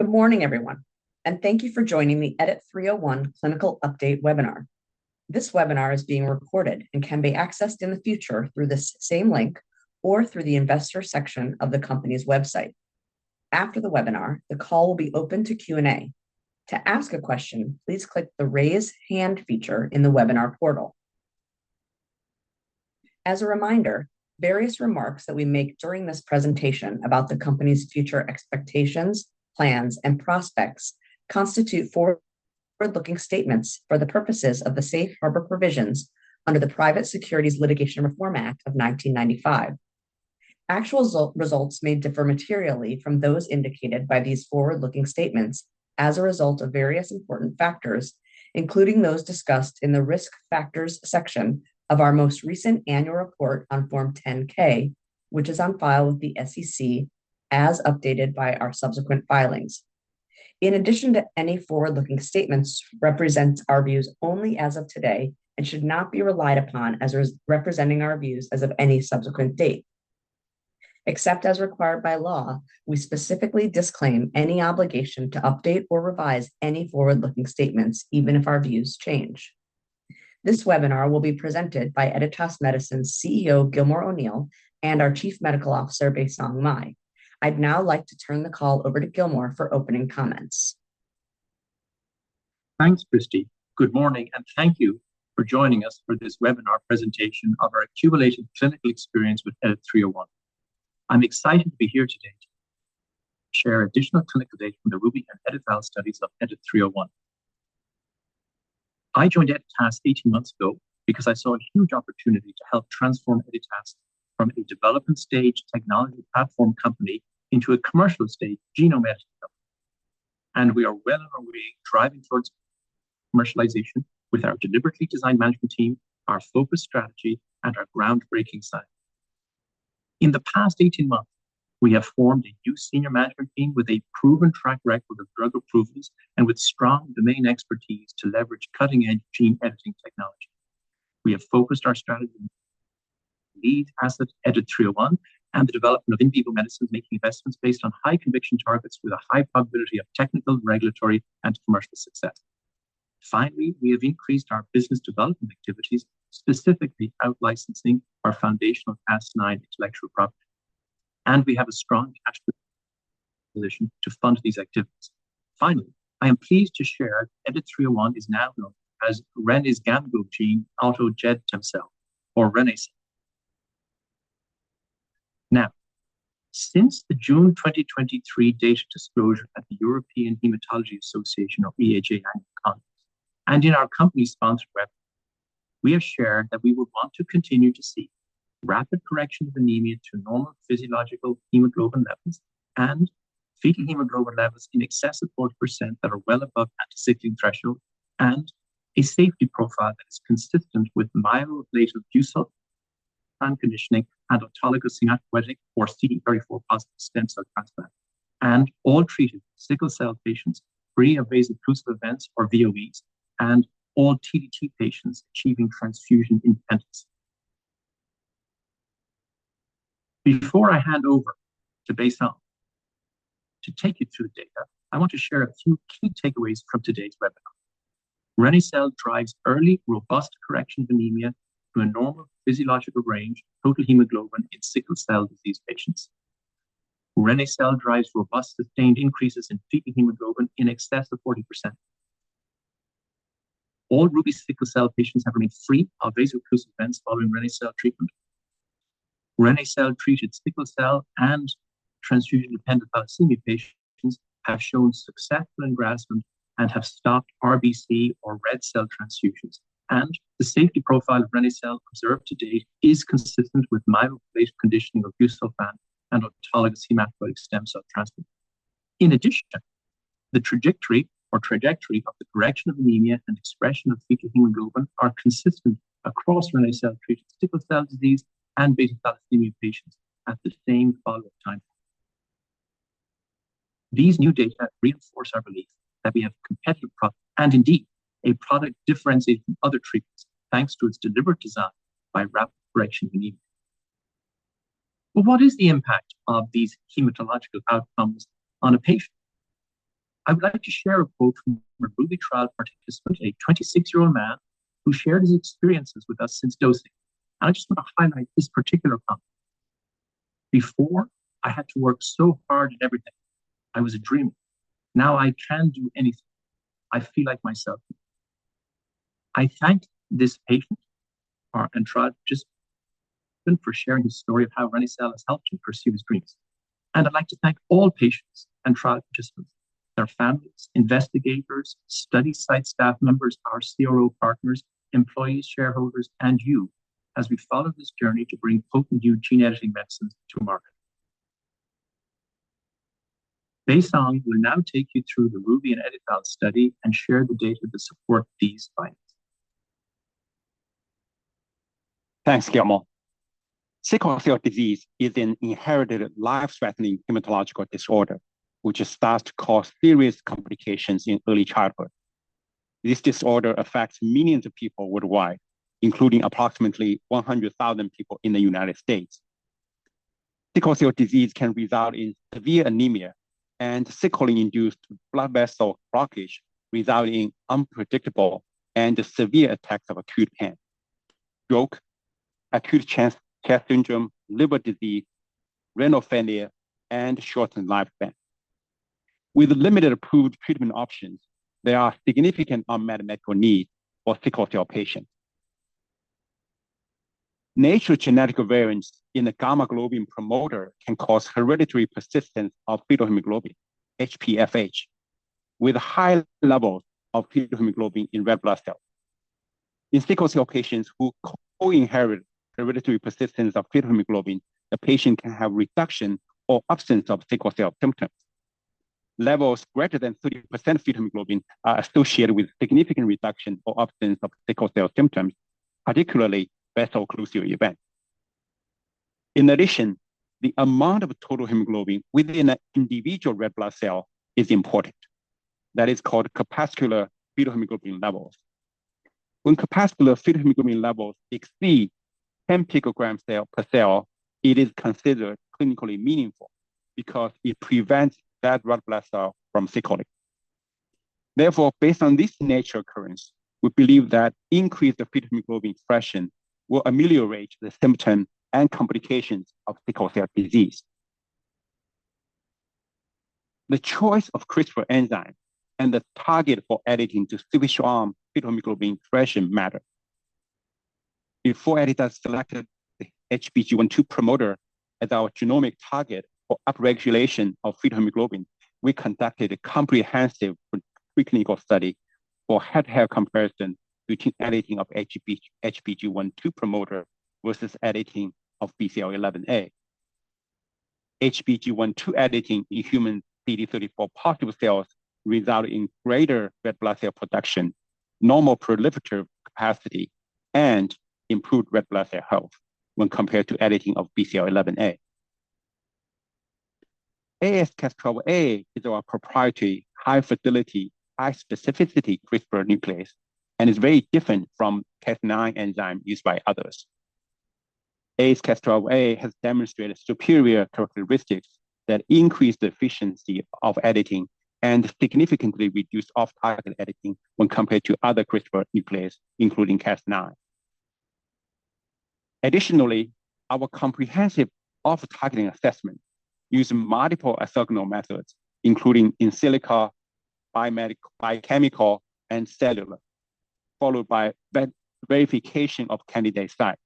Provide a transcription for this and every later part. Good morning, everyone, and thank you for joining the EDIT-301 Clinical Update webinar. This webinar is being recorded and can be accessed in the future through this same link or through the investor section of the company's website. After the webinar, the call will be open to Q&A. To ask a question, please click the Raise Hand feature in the webinar portal. As a reminder, various remarks that we make during this presentation about the company's future expectations, plans, and prospects constitute forward-looking statements for the purposes of the safe harbor provisions under the Private Securities Litigation Reform Act of 1995. Actual results may differ materially from those indicated by these forward-looking statements as a result of various important factors, including those discussed in the Risk Factors section of our most recent Annual Report on Form 10-K, which is on file with the SEC, as updated by our subsequent filings. In addition, any forward-looking statements represent our views only as of today and should not be relied upon as representing our views as of any subsequent date. Except as required by law, we specifically disclaim any obligation to update or revise any forward-looking statements, even if our views change. This webinar will be presented by Editas Medicine's CEO, Gilmore O'Neill, and our Chief Medical Officer, Baisong Mei. I'd now like to turn the call over to Gilmore for opening comments. Thanks, Cristi. Good morning, and thank you for joining us for this webinar presentation of our accumulated clinical experience with EDIT-301. I'm excited to be here today to share additional clinical data from the RUBY and EdiTHAL studies of EDIT-301. I joined Editas 18 months ago because I saw a huge opportunity to help transform Editas from a development-stage technology platform company into a commercial-stage genome editing company. And we are well on our way, driving towards commercialization with our deliberately designed management team, our focused strategy, and our groundbreaking science. In the past 18 months, we have formed a new senior management team with a proven track record of drug approvals and with strong domain expertise to leverage cutting-edge gene editing technology. We have focused our strategy on lead asset EDIT-301 and the development of in vivo medicines, making investments based on high-conviction targets with a high probability of technical, regulatory, and commercial success. Finally, we have increased our business development activities, specifically out-licensing our foundational Cas9 intellectual property, and we have a strong cash position to fund these activities. Finally, I am pleased to share EDIT-301 is now known as reni-cel (renizgamglogene autogedtemcel) or reni-cel. Now, since the June 2023 data disclosure at the European Hematology Association EHA conference and in our company-sponsored webcast, we have shared that we would want to continue to see rapid correction of anemia to normal physiological hemoglobin levels and fetal hemoglobin levels in excess of 40% that are well above the sickle threshold, and a safety profile that is consistent with myeloablative busulfan conditioning and autologous hematopoietic stem cell transplant, and all treated sickle cell patients free of vaso-occlusive events or VOEs, and all TDT patients achieving transfusion independence. Before I hand over to Baisong to take you through the data, I want to share a few key takeaways from today's webinar. Reni-cel drives early, robust correction of anemia to a normal physiological range, total hemoglobin in sickle cell disease patients. reni-cel drives robust, sustained increases in fetal hemoglobin in excess of 40%. All RUBY sickle cell patients have remained free of vaso-occlusive events following reni-cel treatment. reni-cel-treated sickle cell and transfusion-dependent thalassemia patients have shown successful engraftment and have stopped RBC or red cell transfusions. The safety profile of reni-cel observed to date is consistent with myeloablative conditioning of busulfan and autologous hematopoietic stem cell transplant. In addition, the trajectory of the correction of anemia and expression of fetal hemoglobin are consistent across reni-cel-treated sickle cell disease and beta thalassemia patients at the same follow-up time. These new data reinforce our belief that we have competitive product and indeed a product differentiated from other treatments, thanks to its deliberate design by rapid correction anemia. But what is the impact of these hematological outcomes on a patient? I would like to share a quote from a RUBY trial participant, a 26-year-old man who shared his experiences with us since dosing. I just want to highlight this particular quote: "Before, I had to work so hard at everything. I was a dreamer. Now I can do anything. I feel like myself again." I thank this patient and trial participant for sharing his story of how reni-cel has helped him pursue his dreams. I'd like to thank all patients and trial participants, their families, investigators, study site staff members, our CRO partners, employees, shareholders, and you as we follow this journey to bring potent new gene editing medicines to market. Baisong will now take you through the RUBY and EDIT-301 study and share the data to support these findings. Thanks, Gilmore. Sickle cell disease is an inherited, life-threatening hematological disorder, which starts to cause serious complications in early childhood.... This disorder affects millions of people worldwide, including approximately 100,000 people in the United States. Sickle cell disease can result in severe anemia and sickling-induced blood vessel blockage, resulting in unpredictable and severe attacks of acute pain, stroke, acute chest syndrome, liver disease, renal failure, and shortened lifespan. With limited approved treatment options, there are significant unmet medical needs for sickle cell patients. Natural genetic variants in the gamma globin promoter can cause hereditary persistence of fetal hemoglobin, HPFH, with high levels of fetal hemoglobin in red blood cells. In sickle cell patients who co-inherit hereditary persistence of fetal hemoglobin, the patient can have reduction or absence of sickle cell symptoms. Levels greater than 30% fetal hemoglobin are associated with significant reduction or absence of sickle cell symptoms, particularly vaso-occlusive events. In addition, the amount of total hemoglobin within an individual red blood cell is important. That is called cellular fetal hemoglobin levels. When cellular fetal hemoglobin levels exceed 10 pg/cell, it is considered clinically meaningful because it prevents that red blood cell from sickling. Therefore, based on this natural occurrence, we believe that increased fetal hemoglobin expression will ameliorate the symptoms and complications of sickle cell disease. The choice of CRISPR enzyme and the target for editing to switch on fetal hemoglobin expression matter. Before Editas selected the HBG1/2 promoter as our genomic target for upregulation of fetal hemoglobin, we conducted a comprehensive preclinical study for head-to-head comparison between editing of HBG1/2 promoter versus editing of BCL11A. HBG1/2 editing in human CD34+ cells result in greater red blood cell production, normal proliferative capacity, and improved red blood cell health when compared to editing of BCL11A. AsCas12a is our proprietary, high-fidelity, high-specificity CRISPR nuclease and is very different from Cas9 enzyme used by others. AsCas12a has demonstrated superior characteristics that increase the efficiency of editing and significantly reduce off-target editing when compared to other CRISPR nucleases, including Cas9. Additionally, our comprehensive off-targeting assessment used multiple orthogonal methods, including in silico, biochemical, and cellular, followed by verification of candidate sites.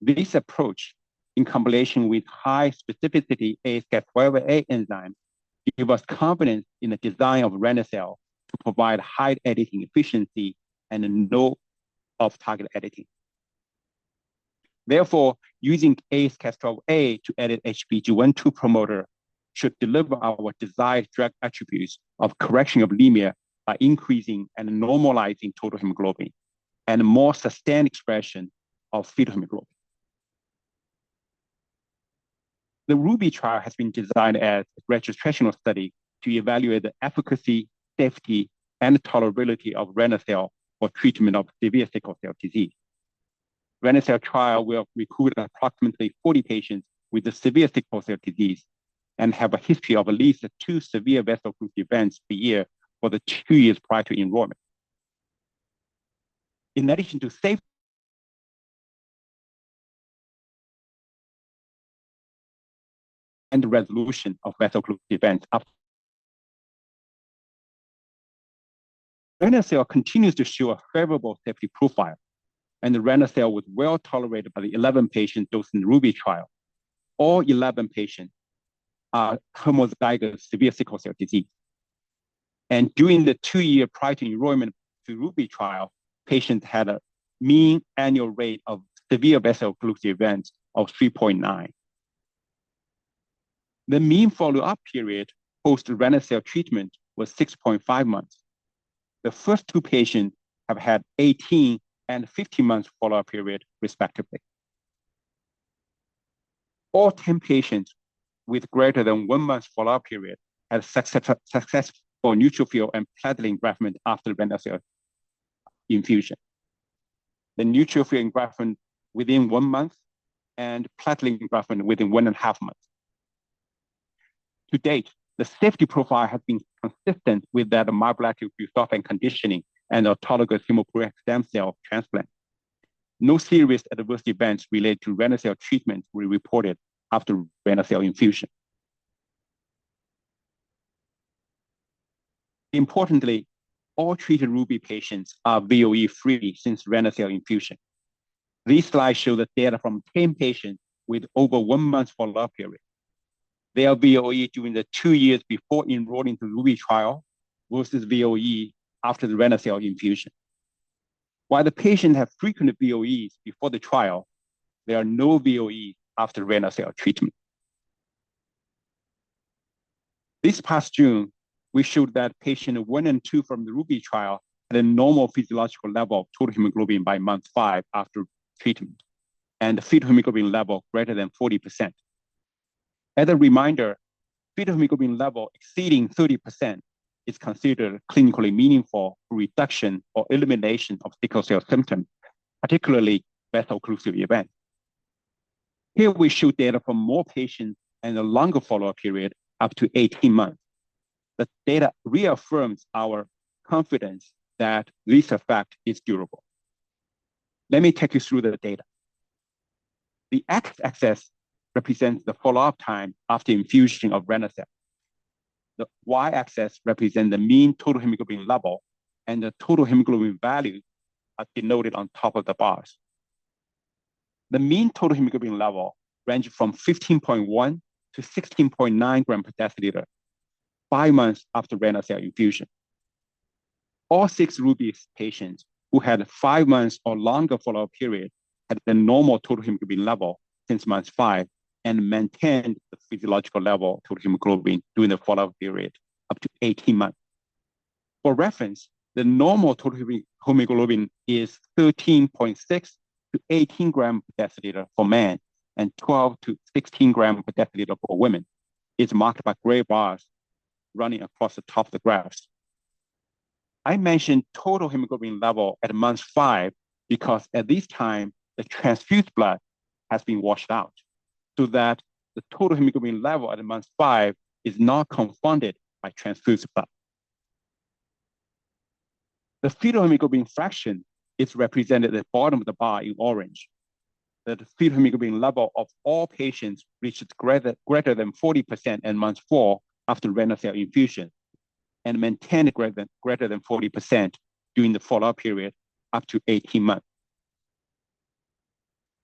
This approach, in combination with high specificity AsCas12a enzyme, gave us confidence in the design of reni-cel to provide high editing efficiency and no off-target editing. Therefore, using AsCas12a to edit HBG1/2 promoter should deliver our desired drug attributes of correction of anemia by increasing and normalizing total hemoglobin and more sustained expression of fetal hemoglobin. The RUBY trial has been designed as a registrational study to evaluate the efficacy, safety, and tolerability of reni-cel for treatment of severe sickle cell disease. The reni-cel trial will recruit approximately 40 patients with severe sickle cell disease and have a history of at least 2 severe vaso-occlusive events per year for the 2 years prior to enrollment. In addition to safety and resolution of vaso-occlusive events up... reni-cel continues to show a favorable safety profile, and the reni-cel was well tolerated by the 11 patients dosed in the RUBY trial. All 11 patients are homozygous severe sickle cell disease, and during the 2-year prior to enrollment to RUBY trial, patients had a mean annual rate of severe vaso-occlusive events of 3.9. The mean follow-up period post reni-cel treatment was 6.5 months. The first 2 patients have had 18 and 15 months follow-up period, respectively. All 10 patients with greater than 1 month follow-up period had successful neutrophil and platelet engraftment after reni-cel infusion. The neutrophil engraftment within 1 month and platelet engraftment within 1.5 months. To date, the safety profile has been consistent with that of myeloablative busulfan conditioning and autologous hematopoietic stem cell transplant. No serious adverse events related to reni-cel treatment were reported after reni-cel infusion. Importantly, all treated RUBY patients are VOE-free since reni-cel infusion. This slide shows the data from 10 patients with over 1 month follow-up period. Their VOE during the 2 years before enrolling to RUBY trial versus VOE after the reni-cel infusion. While the patients have frequent VOEs before the trial, there are no VOE after reni-cel treatment. This past June, we showed that patient 1 and 2 from the RUBY trial had a normal physiological level of total hemoglobin by month 5 after treatment, and the fetal hemoglobin level greater than 40%. As a reminder, fetal hemoglobin level exceeding 30% is considered clinically meaningful reduction or elimination of sickle cell symptoms, particularly vaso-occlusive event. Here we show data from more patients and a longer follow-up period, up to 18 months. The data reaffirms our confidence that this effect is durable. Let me take you through the data. The X-axis represents the follow-up time after infusion of reni-cel. The Y-axis represent the mean total hemoglobin level, and the total hemoglobin value are denoted on top of the bars. The mean total hemoglobin level ranged from 15.1-16.9 grams per deciliter, 5 months after reni-cel infusion. All 6 RUBY patients who had 5 months or longer follow-up period had a normal total hemoglobin level since month 5, and maintained the physiological level of total hemoglobin during the follow-up period up to 18 months. For reference, the normal total hemoglobin is 13.6-18 grams per deciliter for men, and 12-16 grams per deciliter for women. It's marked by gray bars running across the top of the graphs. I mentioned total hemoglobin level at month 5 because at this time, the transfused blood has been washed out, so that the total hemoglobin level at month 5 is not confounded by transfused blood. The fetal hemoglobin fraction is represented at the bottom of the bar in orange. The fetal hemoglobin level of all patients reached greater, greater than 40% in month 4 after reni-cel infusion, and maintained greater than, greater than 40% during the follow-up period, up to 18 months.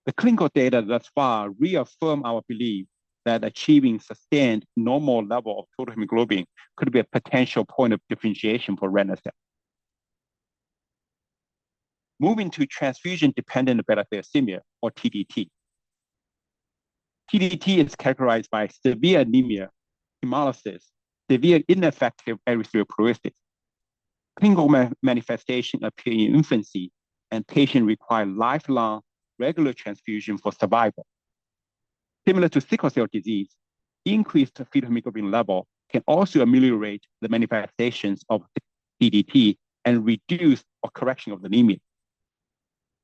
The clinical data thus far reaffirm our belief that achieving sustained normal level of total hemoglobin could be a potential point of differentiation for reni-cel. Moving to transfusion-dependent beta thalassemia, or TDT. TDT is characterized by severe anemia, hemolysis, severe ineffective erythropoiesis. Clinical manifestations appear in infancy, and patients require lifelong regular transfusions for survival. Similar to sickle cell disease, increased fetal hemoglobin levels can also ameliorate the manifestations of TDT and reduce or correct anemia.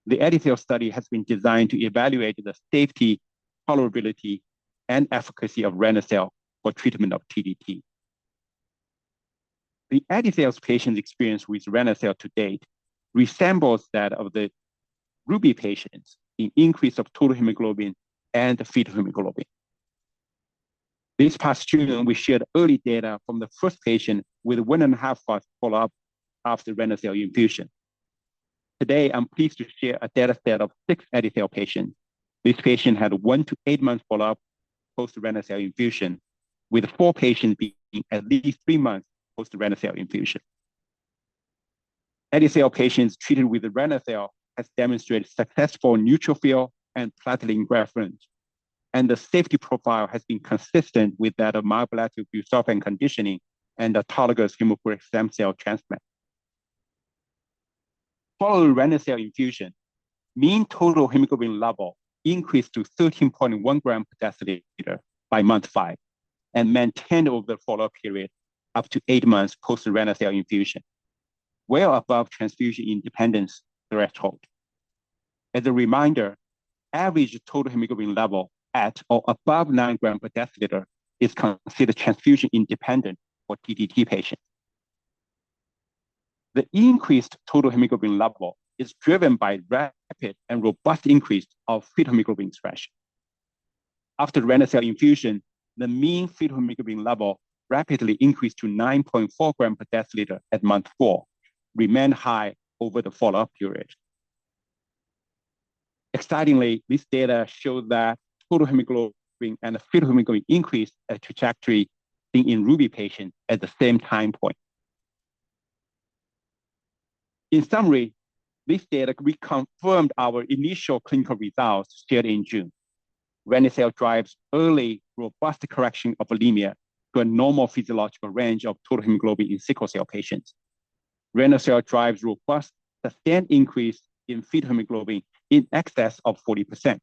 The EDDYCEL study has been designed to evaluate the safety, tolerability, and efficacy of reni-cel for treatment of TDT. The EDDYCEL's patients experience with reni-cel to date resembles that of the RUBY patients in increase of total hemoglobin and the fetal hemoglobin. This past June, we shared early data from the first patient with 1.5 months follow-up after reni-cel infusion. Today, I'm pleased to share a dataset of six EDDYCEL patients. These patients had 1-8 months follow-up post reni-cel infusion, with four patients being at least 3 months post reni-cel infusion. reni-cel patients treated with the reni-cel has demonstrated successful neutrophil and platelet engraftment, and the safety profile has been consistent with that of myeloablative busulfan conditioning and autologous hematopoietic stem cell transplant. Following reni-cel infusion, mean total hemoglobin level increased to 13.1 gram per deciliter by month 5, and maintained over the follow-up period up to 8 months post reni-cel infusion, well above transfusion independence threshold. As a reminder, average total hemoglobin level at or above 9 gram per deciliter is considered transfusion-independent for TDT patients. The increased total hemoglobin level is driven by rapid and robust increase of fetal hemoglobin expression. After reni-cel infusion, the mean fetal hemoglobin level rapidly increased to 9.4 gram per deciliter at month 4, remained high over the follow-up period. Excitingly, this data showed that total hemoglobin and the fetal hemoglobin increased, a trajectory seen in RUBY patients at the same time point. In summary, this data reconfirmed our initial clinical results shared in June. reni-cel drives early, robust correction of anemia to a normal physiological range of total hemoglobin in sickle cell patients. reni-cel drives robust, sustained increase in fetal hemoglobin in excess of 40%.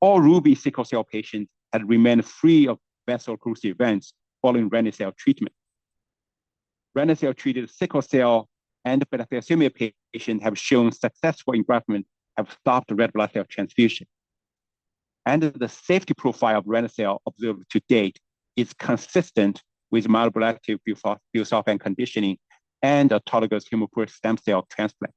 All RUBY sickle cell patients had remained free of vaso-occlusive events following reni-cel treatment. reni-cel-treated sickle cell and beta thalassemia patient have shown successful engraftment, have stopped red blood cell transfusion. And the safety profile of reni-cel observed to date is consistent with myeloablative busulfan conditioning and autologous hematopoietic stem cell transplant.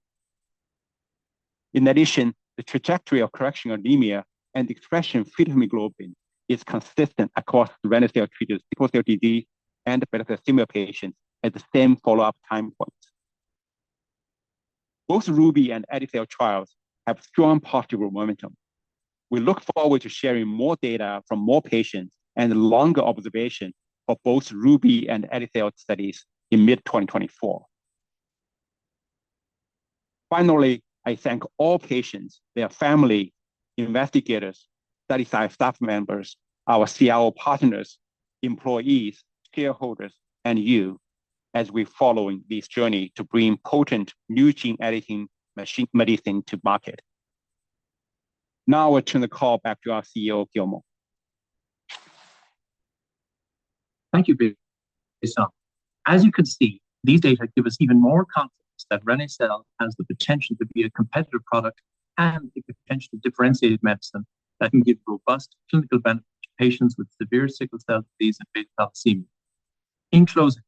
In addition, the trajectory of correction anemia and expression of fetal hemoglobin is consistent across the reni-cel-treated sickle cell disease and beta thalassemia patients at the same follow-up time points. Both RUBY and EDDYCEL trials have strong, positive momentum. We look forward to sharing more data from more patients and longer observation of both RUBY and EDDYCEL studies in mid 2024. Finally, I thank all patients, their family, investigators, Vericel staff members, our CRO partners, employees, shareholders, and you-... as we're following this journey to bring potent new gene editing machine medicines to market. Now I turn the call back to our CEO, Gilmore. Thank you, Baisong. As you can see, these data give us even more confidence that reni-cel has the potential to be a competitive product and a potentially differentiated medicine that can give robust clinical benefit to patients with severe sickle cell disease and beta thalassemia. In closing,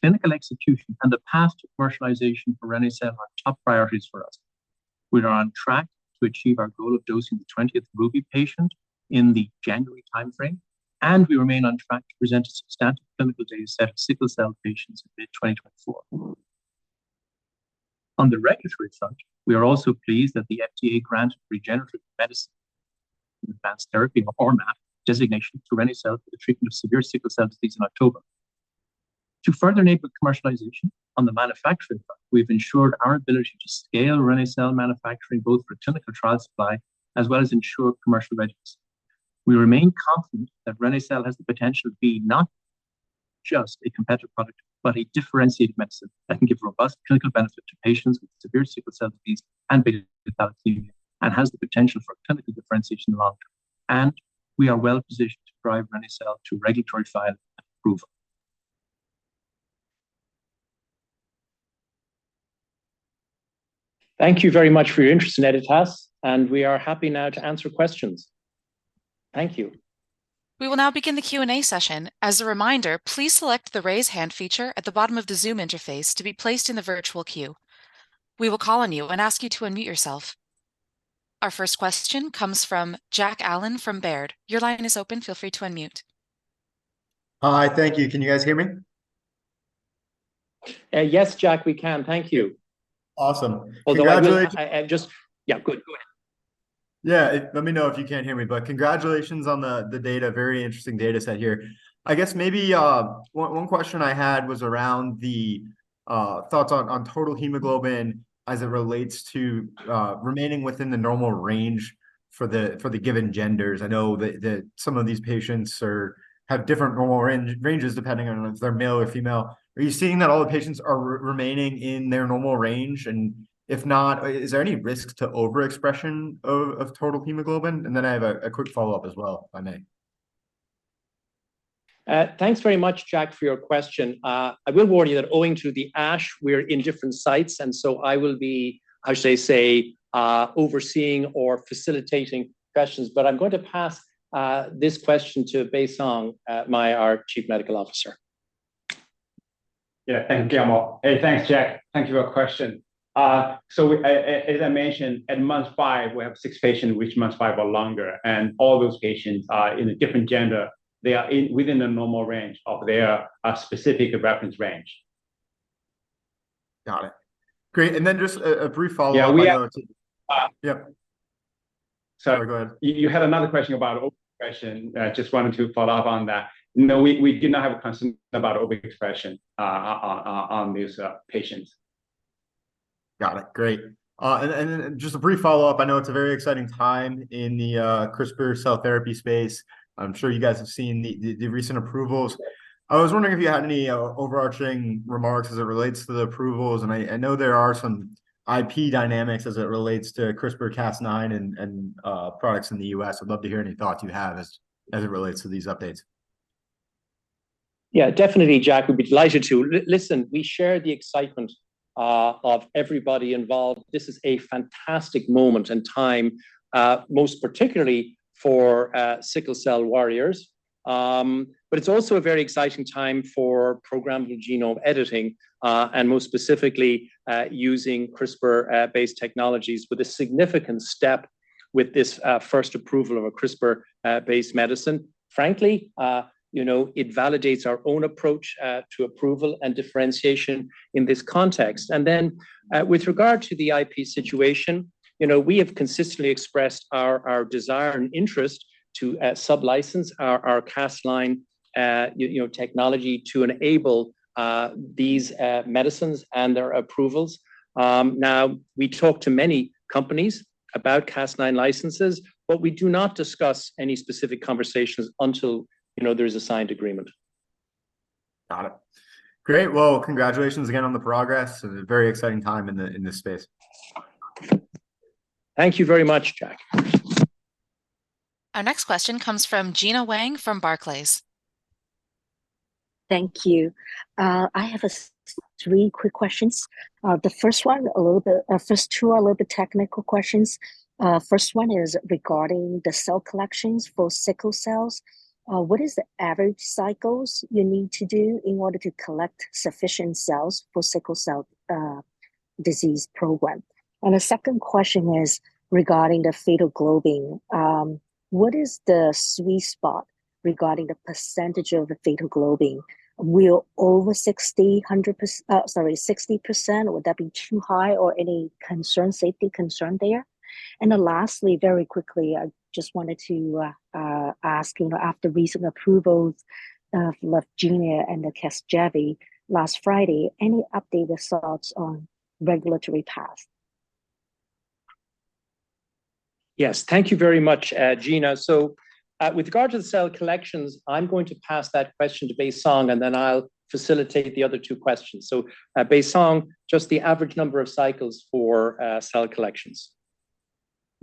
clinical execution and the path to commercialization for reni-cel are top priorities for us. We are on track to achieve our goal of dosing the 20th RUBY patient in the January timeframe, and we remain on track to present a substantial clinical data set of sickle cell patients in mid-2024. On the regulatory front, we are also pleased that the FDA granted RMAT designation to reni-cel for the treatment of severe sickle cell disease in October. To further enable commercialization on the manufacturing front, we've ensured our ability to scale reni-cel manufacturing, both for clinical trial supply as well as ensure commercial readiness. We remain confident that reni-cel has the potential to be not just a competitive product, but a differentiated medicine that can give robust clinical benefit to patients with severe sickle cell disease and beta thalassemia, and has the potential for clinical differentiation in the long term. We are well-positioned to drive reni-cel to regulatory file approval. Thank you very much for your interest in Editas, and we are happy now to answer questions. Thank you. We will now begin the Q&A session. As a reminder, please select the Raise Hand feature at the bottom of the Zoom interface to be placed in the virtual queue. We will call on you and ask you to unmute yourself. Our first question comes from Jack Allen from Baird. Your line is open, feel free to unmute. Hi, thank you. Can you guys hear me? Yes, Jack, we can. Thank you. Awesome. Congratulations- And just... Yeah, go, go ahead. Yeah, let me know if you can't hear me. But congratulations on the data. Very interesting data set here. I guess maybe one question I had was around the thoughts on total hemoglobin as it relates to remaining within the normal range for the given genders. I know that some of these patients have different normal ranges, depending on if they're male or female. Are you seeing that all the patients are remaining in their normal range? And if not, is there any risk to overexpression of total hemoglobin? And then I have a quick follow-up as well, if I may. Thanks very much, Jack, for your question. I will warn you that owing to the ASH, we're in different sites, and so I will be, how should I say, overseeing or facilitating questions, but I'm going to pass this question to Baisong, my... Our Chief Medical Officer. Yeah. Thank you, Gilmore. Hey, thanks, Jack. Thank you for your question. So as I mentioned, at month 5, we have 6 patients, which month 5 or longer, and all those patients are in a different gender. They are in within the normal range of their specific reference range. Got it. Great, and then just a brief follow-up- Yeah, we have- Uh, yep. Sorry, go ahead. You had another question about overexpression. I just wanted to follow up on that. No, we do not have a concern about overexpression on these patients. Got it. Great. And then, just a brief follow-up. I know it's a very exciting time in the CRISPR cell therapy space. I'm sure you guys have seen the recent approvals. I was wondering if you had any overarching remarks as it relates to the approvals. And I know there are some IP dynamics as it relates to CRISPR-Cas9 and products in the US. I'd love to hear any thoughts you have as it relates to these updates. Yeah, definitely, Jack, we'd be delighted to. Listen, we share the excitement of everybody involved. This is a fantastic moment in time, most particularly for sickle cell warriors. But it's also a very exciting time for programmed genome editing, and more specifically, using CRISPR based technologies, with a significant step with this first approval of a CRISPR based medicine. Frankly, you know, it validates our own approach to approval and differentiation in this context. And then, with regard to the IP situation, you know, we have consistently expressed our desire and interest to sublicense our Cas9 technology to enable these medicines and their approvals. Now, we talk to many companies about Cas9 licenses, but we do not discuss any specific conversations until, you know, there is a signed agreement. Got it. Great! Well, congratulations again on the progress, and a very exciting time in this space. Thank you very much, Jack. Our next question comes from Gina Wang from Barclays. Thank you. I have three quick questions. The first one, a little bit, first two are a little bit technical questions. First one is regarding the cell collections for sickle cells. What is the average cycles you need to do in order to collect sufficient cells for sickle cell disease program? And the second question is regarding the fetal globin. What is the sweet spot regarding the percentage of the fetal globin? Will over 60, 100%, sorry, 60%, would that be too high or any concern, safety concern there? And then lastly, very quickly, I just wanted to ask, you know, after recent approvals for Leqembi and the Casgevy last Friday, any update or thoughts on regulatory path?... Yes, thank you very much, Gina. So, with regard to the cell collections, I'm going to pass that question to Baisong, and then I'll facilitate the other two questions. So, Baisong, just the average number of cycles for cell collections.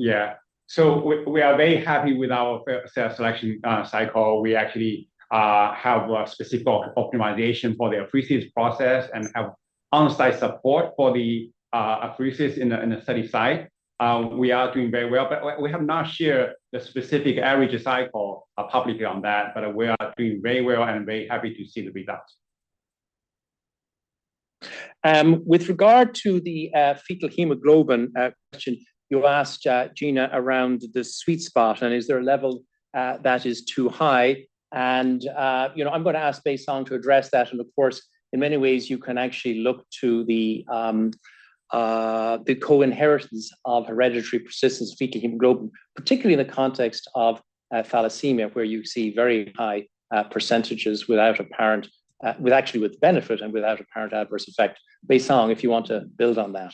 Yeah. So we are very happy with our cell selection cycle. We actually have a specific optimization for the apheresis process and have on-site support for the apheresis in the study site. We are doing very well, but we have not shared the specific average cycle publicly on that, but we are doing very well and very happy to see the results. With regard to the fetal hemoglobin question you asked, Gina, around the sweet spot, and is there a level that is too high? You know, I'm gonna ask Baisong to address that. Of course, in many ways you can actually look to the co-inheritance of hereditary persistence of fetal hemoglobin, particularly in the context of thalassemia, where you see very high percentages without apparent, with actually with benefit and without apparent adverse effect. Baisong, if you want to build on that.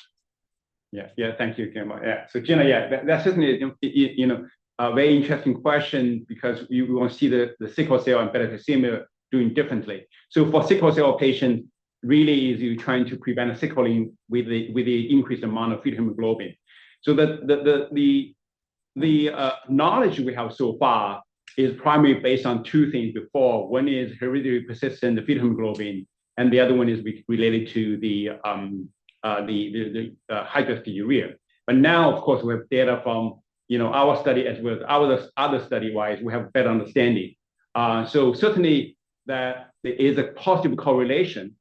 Yeah, yeah, thank you, Cameron. Yeah. So Gina, yeah, that's certainly, you know, a very interesting question because you wanna see the sickle cell and thalassemia doing differently. So for sickle cell patient, really is you're trying to prevent a sickling with the increased amount of fetal hemoglobin. So the knowledge we have so far is primarily based on two things before. One is hereditary persistence of fetal hemoglobin, and the other one is related to the hydroxyurea. But now, of course, we have data from, you know, our study as well. Our other study-wise, we have better understanding. So certainly that there is a positive correlation,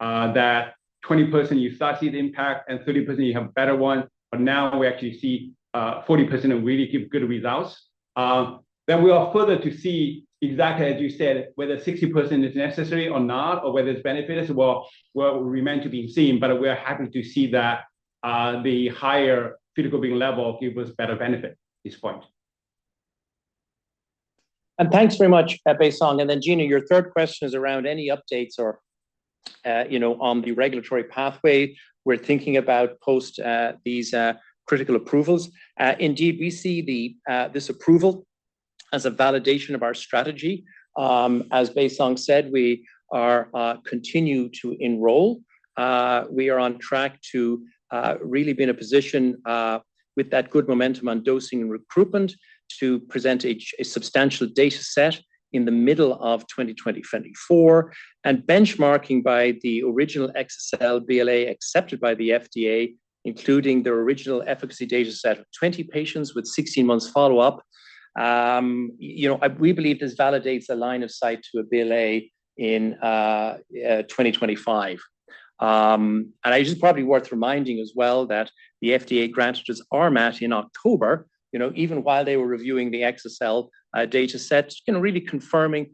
that 20% you start to see the impact and 30% you have a better one, but now we actually see, 40% really give good results. Then we are further to see, exactly as you said, whether 60% is necessary or not, or whether it's benefit as well, what remain to be seen. But we are happy to see that, the higher fetal hemoglobin level give us better benefit this point. Thanks very much, Baisong. Then, Gina, your third question is around any updates or, you know, on the regulatory pathway. We're thinking about post these critical approvals. Indeed, we see this approval as a validation of our strategy. As Baisong said, we continue to enroll. We are on track to really be in a position with that good momentum on dosing and recruitment, to present a substantial data set in the middle of 2024. And benchmarking by the original exa-cel BLA accepted by the FDA, including their original efficacy data set of 20 patients with 16 months follow-up. You know, we believe this validates a line of sight to a BLA in 2025. and it's just probably worth reminding as well that the FDA granted us RMAT in October, you know, even while they were reviewing the exa-cel data set, you know, really confirming,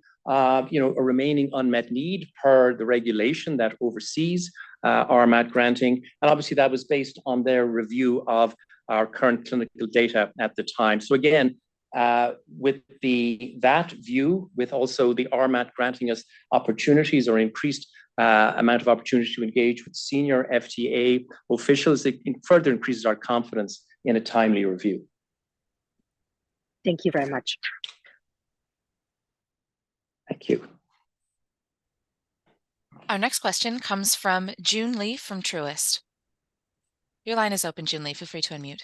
you know, a remaining unmet need per the regulation that oversees RMAT granting. And obviously, that was based on their review of our current clinical data at the time. So again, with that view, with also the RMAT granting us opportunities or increased amount of opportunities to engage with senior FDA officials, it further increases our confidence in a timely review. Thank you very much. Thank you. Our next question comes from June Li from Truist. Your line is open, June Li. Feel free to unmute.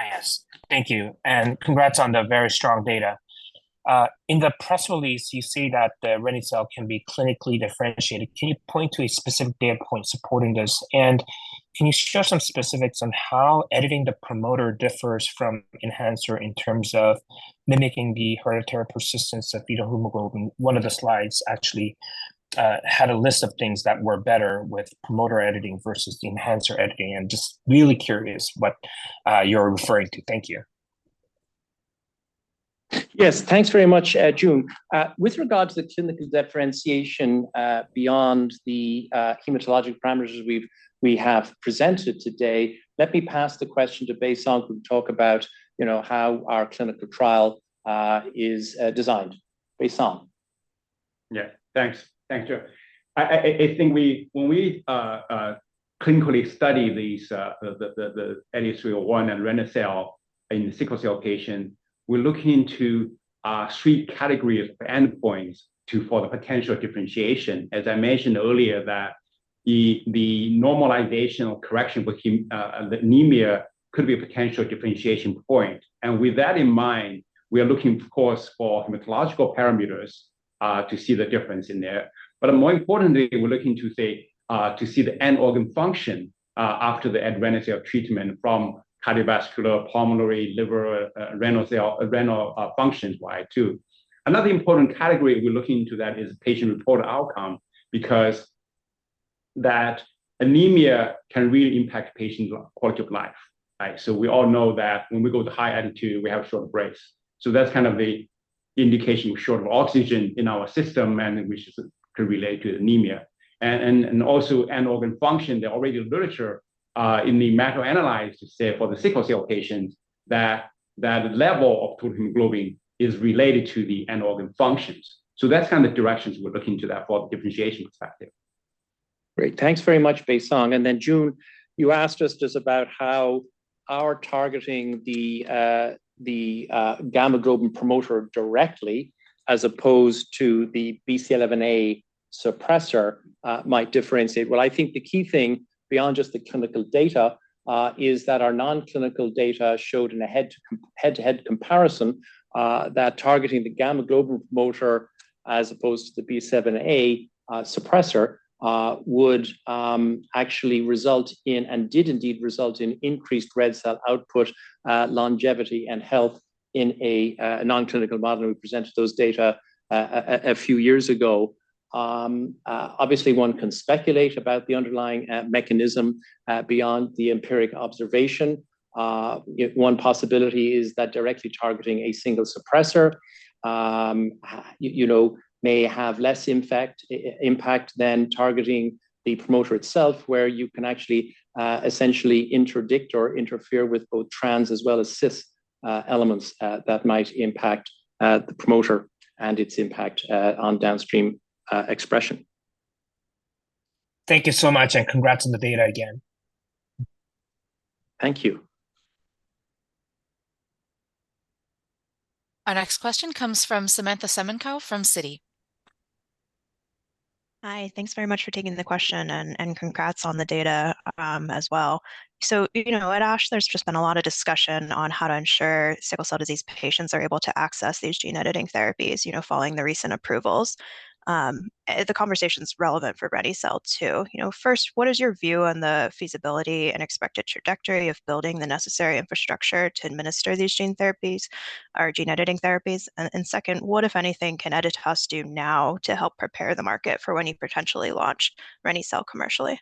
Hi, yes. Thank you, and congrats on the very strong data. In the press release, you see that the reni-cel can be clinically differentiated. Can you point to a specific data point supporting this? And can you share some specifics on how editing the promoter differs from enhancer in terms of mimicking the hereditary persistence of fetal hemoglobin? One of the slides actually had a list of things that were better with promoter editing versus the enhancer editing. I'm just really curious what you're referring to. Thank you. Yes, thanks very much, June. With regards to the clinical differentiation, beyond the hematologic parameters we have presented today, let me pass the question to Baisong to talk about, you know, how our clinical trial is designed. Baisong. Yeah. Thanks. Thank you. I think when we clinically study these, the EDIT-301 and reni-cel in the sickle cell patient, we're looking into three categories of endpoints to form the potential differentiation. As I mentioned earlier, that the normalization or correction with the anemia could be a potential differentiation point. And with that in mind, we are looking, of course, for hematological parameters to see the difference in there. But more importantly, we're looking to see the end organ function after the advent of treatment from cardiovascular, pulmonary, liver, renal functions, too. Another important category we're looking into that is patient-reported outcome, because that anemia can really impact patient's quality of life, right? So we all know that when we go to high altitude, we have short breaks. So that's kind of the indication, shortage of oxygen in our system, and which is to relate to anemia. And also end organ function, the literature already in the meta-analysis says, for the sickle cell patients, that level of total hemoglobin is related to the end organ functions. So that's kind of directions we're looking to that for the differentiation perspective.... Great. Thanks very much, Baisong. And then, June, you asked us just about how our targeting the, the gamma-globin promoter directly, as opposed to the BCL11A suppressor, might differentiate. Well, I think the key thing beyond just the clinical data is that our non-clinical data showed in a head-to-head comparison that targeting the gamma-globin promoter as opposed to the BCL11A suppressor would actually result in, and did indeed result in, increased red cell output, longevity, and health in a non-clinical model. We presented those data a few years ago. Obviously, one can speculate about the underlying mechanism beyond the empiric observation. Yet one possibility is that directly targeting a single suppressor, you know, may have less effect, impact than targeting the promoter itself, where you can actually essentially interdict or interfere with both trans as well as cis elements that might impact the promoter and its impact on downstream expression. Thank you so much, and congrats on the data again. Thank you. Our next question comes from Samantha Semenkow from Citi. Hi, thanks very much for taking the question, and congrats on the data, as well. So, you know, at ASH, there's just been a lot of discussion on how to ensure sickle cell disease patients are able to access these gene-editing therapies, you know, following the recent approvals. The conversation's relevant for reni-cel, too. You know, first, what is your view on the feasibility and expected trajectory of building the necessary infrastructure to administer these gene therapies or gene-editing therapies? And second, what, if anything, can Editas do now to help prepare the market for when you potentially launch reni-cel commercially?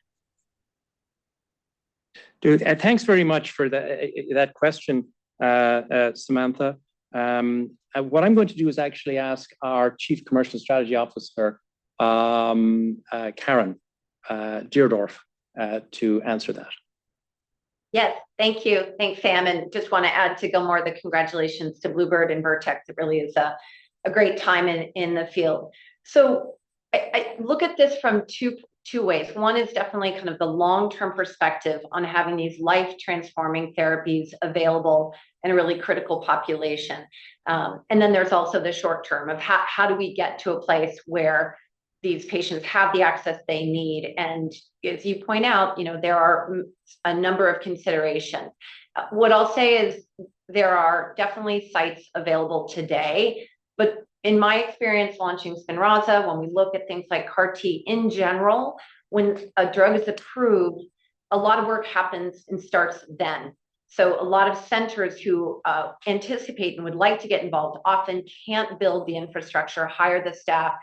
Dude, thanks very much for that question, Samantha. What I'm going to do is actually ask our Chief Commercial Strategy Officer, Caren Deardorff, to answer that. Yes, thank you. Thanks, Sam, and just wanna add to Gilmore the congratulations to Bluebird and Vertex. It really is a great time in the field. So I look at this from two ways. One is definitely kind of the long-term perspective on having these life-transforming therapies available in a really critical population. And then there's also the short term of how do we get to a place where these patients have the access they need? And as you point out, you know, there are a number of considerations. What I'll say is there are definitely sites available today, but in my experience launching Spinraza, when we look at things like CAR T in general, when a drug is approved, a lot of work happens and starts then. So a lot of centers who anticipate and would like to get involved often can't build the infrastructure, hire the staff,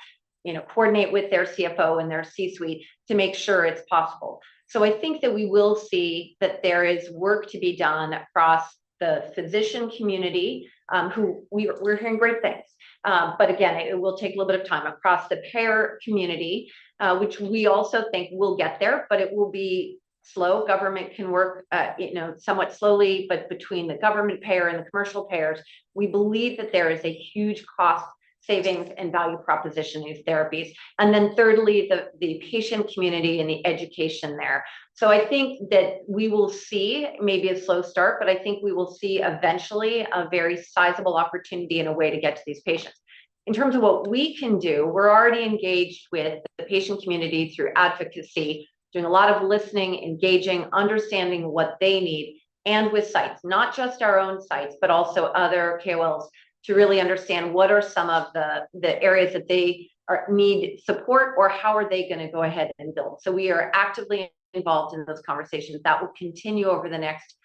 you know, coordinate with their CFO and their C-suite to make sure it's possible. So I think that we will see that there is work to be done across the physician community, who we're hearing great things. But again, it will take a little bit of time across the payer community, which we also think will get there, but it will be slow. Government can work, you know, somewhat slowly, but between the government payer and the commercial payers, we believe that there is a huge cost savings and value proposition in these therapies. And then thirdly, the patient community and the education there. So I think that we will see maybe a slow start, but I think we will see eventually a very sizable opportunity and a way to get to these patients. In terms of what we can do, we're already engaged with the patient community through advocacy, doing a lot of listening, engaging, understanding what they need, and with sites, not just our own sites, but also other KOLs, to really understand what are some of the areas that they need support, or how are they gonna go ahead and build? So we are actively involved in those conversations. That will continue over the next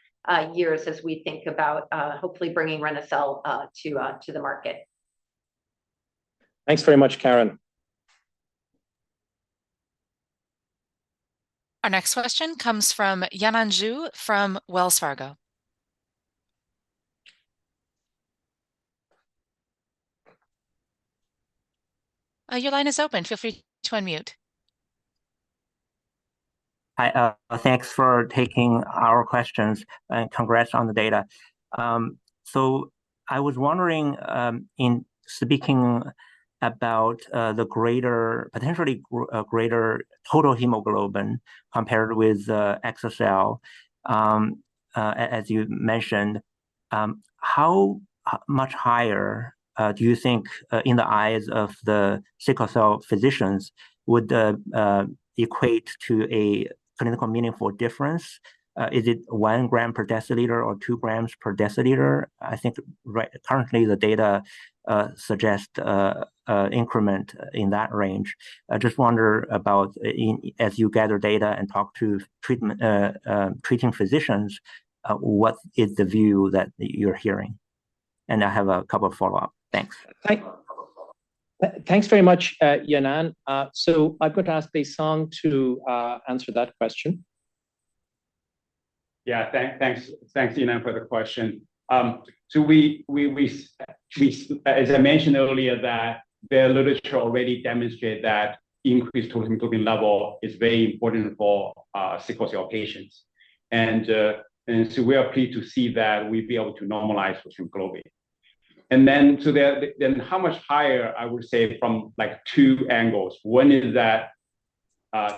years as we think about hopefully bringing reni-cel to the market. Thanks very much, Karen. Our next question comes from Yanan Zhu from Wells Fargo. Your line is open. Feel free to unmute. Hi, thanks for taking our questions, and congrats on the data. So I was wondering, in speaking about the greater, potentially greater total hemoglobin compared with exa-cel, as you mentioned, how much higher do you think, in the eyes of the sickle cell physicians, would equate to a clinically meaningful difference? Is it one gram per deciliter or two grams per deciliter? I think currently, the data suggest increment in that range. I just wonder about as you gather data and talk to treating physicians, what is the view that you're hearing? And I have a couple follow-up. Thanks. Thanks very much, Yanan. So I'm going to ask Baisong to answer that question. Yeah, thanks, Yanan, for the question. So, as I mentioned earlier, that the literature already demonstrate that increased hemoglobin level is very important for sickle cell patients. And so we are pleased to see that we'll be able to normalize hemoglobin. Then how much higher, I would say from like two angles. One is that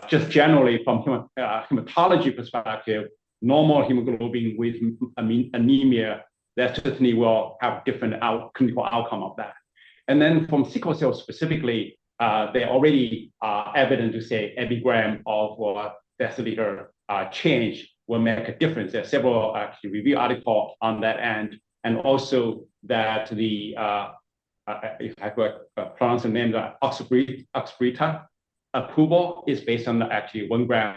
just generally from hematology perspective, normal hemoglobin with anemia, that certainly will have different clinical outcome of that. And then from sickle cell specifically, they already are evident to say every gram of deciliter change will make a difference. There are several actually review article on that end, and also that the, if I pronounce the name, the Oxbryta, Oxbryta approval is based on the actually 1 gram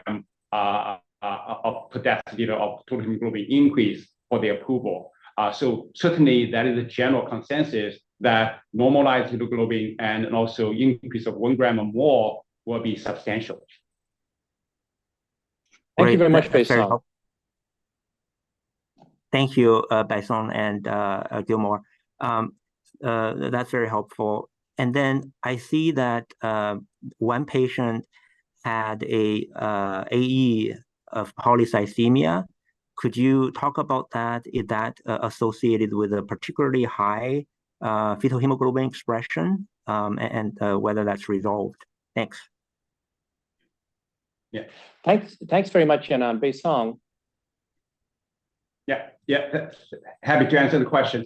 of deciliter of total hemoglobin increase for the approval. So certainly that is a general consensus that normalized hemoglobin and also increase of 1 gram or more will be substantial. Thank you very much, Baisong. Thank you, Baisong and, Gilmore. That's very helpful. And then I see that, one patient had a, AE of polycythemia. Could you talk about that? Is that, associated with a particularly high, fetal hemoglobin expression, and, whether that's resolved? Thanks. Yeah. Thanks, thanks very much, Yanan. Baisong? Yeah, yeah. Happy to answer the question.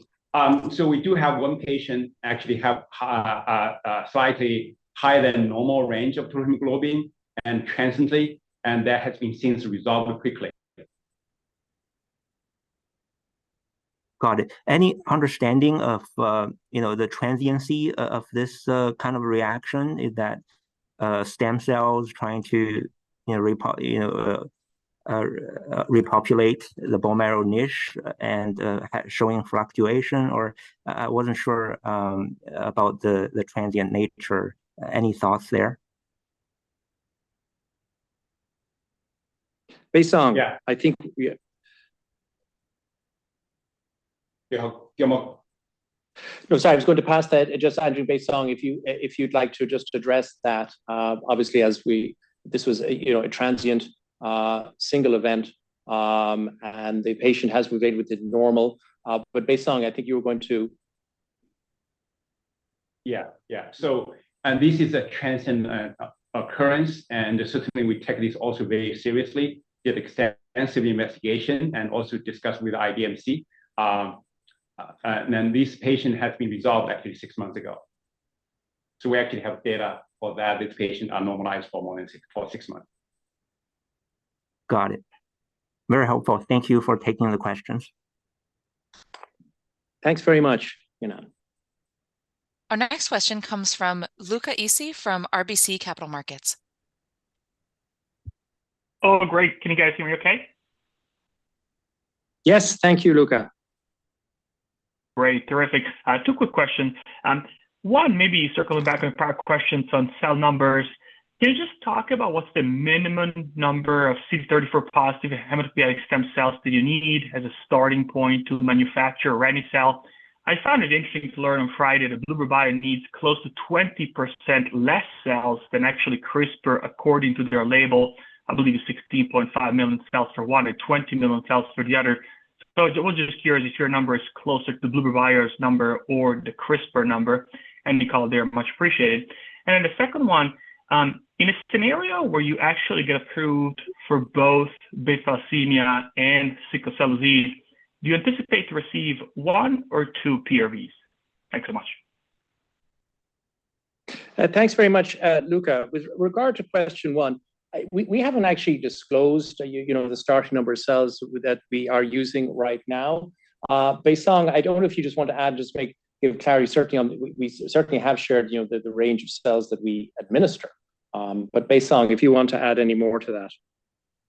So we do have one patient actually have slightly higher than normal range of total hemoglobin and transiently, and that has been seen to resolve quickly. Got it. Any understanding of, you know, the transience of this kind of reaction? Is that stem cells trying to, you know, repopulate the bone marrow niche and showing fluctuation, or I wasn't sure about the transient nature. Any thoughts there? Beisong- Yeah. I think we... Yeah, Gilmore. No, sorry, I was going to pass that. Just Andrew Baisong, if you, if you'd like to just address that. Obviously, as we... This was a, you know, a transient, single event, and the patient has remained with the normal. But Baisong, I think you were going to? Yeah, yeah. So this is a transient occurrence, and certainly we take this also very seriously. We have extensive investigation and also discussed with the IDMC. And then this patient has been resolved actually six months ago. So we actually have data for that, with patient on normalized for more than six, for six months. Got it. Very helpful. Thank you for taking the questions. Thanks very much, Yanan. Our next question comes from Luca Issi, from RBC Capital Markets. Oh, great. Can you guys hear me okay? Yes, thank you, Luca. Great. Terrific. Two quick questions. One, maybe circling back on prior questions on cell numbers. Can you just talk about what's the minimum number of CD34 positive hematopoietic stem cells that you need as a starting point to manufacture reni-cel? I found it interesting to learn on Friday that bluebird bio needs close to 20% less cells than actually CRISPR, according to their label, I believe 16.5 million cells for one or 20 million cells for the other. So I was just curious if your number is closer to bluebird bio's number or the CRISPR number, any color there, much appreciated. And then the second one, in a scenario where you actually get approved for both beta thalassemia and sickle cell disease, do you anticipate to receive one or two PRVs? Thanks so much. Thanks very much, Luca. With regard to question one, we haven't actually disclosed, you know, the starting number of cells that we are using right now. Baisong, I don't know if you just want to add, give clarity. Certainly we certainly have shared, you know, the range of cells that we administer. But Baisong, if you want to add any more to that.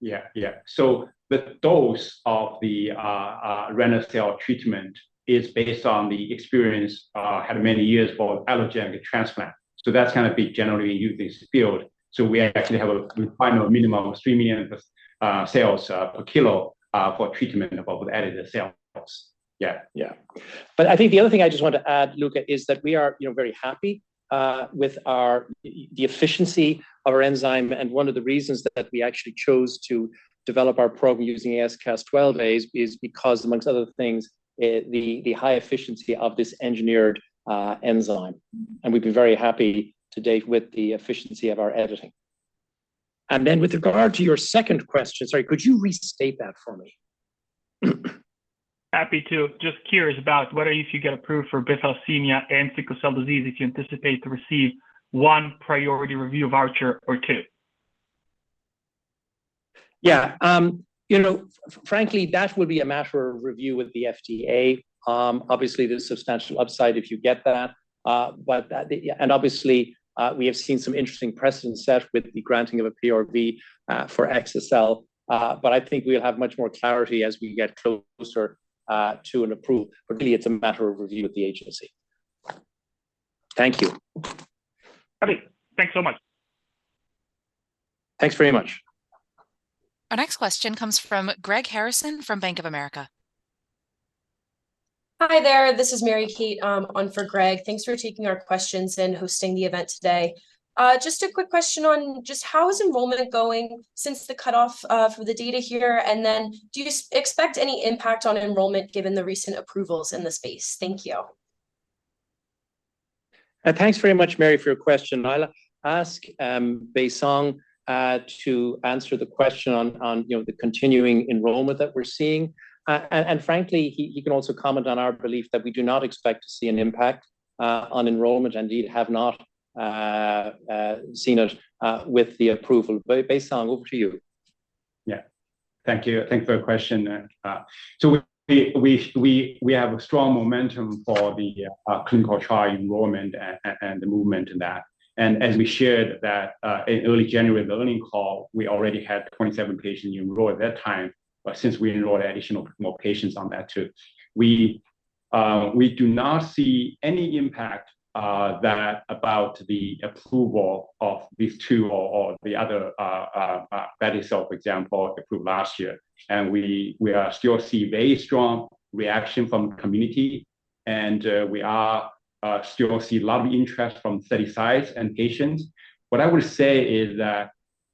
Yeah, yeah. So the dose of the reni-cel treatment is based on the experience had many years for allogeneic transplant. So that's gonna be generally used in this field. So we actually have a final minimum of 3 million cells per kilo for treatment of with edited cells. Yeah, yeah. But I think the other thing I just want to add, Luca, is that we are, you know, very happy with the efficiency of our enzyme. And one of the reasons that we actually chose to develop our program using AsCas12a is because, amongst other things, the high efficiency of this engineered enzyme. And we've been very happy to date with the efficiency of our editing. And then with regard to your second question, sorry, could you restate that for me? Happy to. Just curious about whether if you get approved for beta thalassemia and sickle cell disease, if you anticipate to receive one priority review voucher or two? Yeah. You know, frankly, that would be a matter of review with the FDA. Obviously, there's substantial upside if you get that. But yeah, and obviously, we have seen some interesting precedents set with the granting of a PRV for exa-cel. But I think we'll have much more clarity as we get closer to an approval. But really, it's a matter of review with the agency. Thank you. Happy. Thanks so much. Thanks very much. Our next question comes from Greg Harrison from Bank of America. Hi there, this is Mary Kate, on for Greg. Thanks for taking our questions and hosting the event today. Just a quick question on just how is enrollment going since the cutoff, for the data here? And then do you expect any impact on enrollment given the recent approvals in the space? Thank you.... Thanks very much, Mary, for your question. I'll ask, Baisong, to answer the question on, on, you know, the continuing enrollment that we're seeing. And, and frankly, he, he can also comment on our belief that we do not expect to see an impact, on enrollment, indeed have not, seen it, with the approval. But Baisong, over to you. Yeah. Thank you. Thank you for the question. So we have a strong momentum for the clinical trial enrollment and the movement in that. And as we shared that in early January, the earnings call, we already had 27 patients enrolled at that time, but since we enrolled additional more patients on that too. We do not see any impact that about the approval of these two or the other that is, for example, approved last year. And we are still see very strong reaction from community, and we are still see a lot of interest from study sites and patients. What I would say is that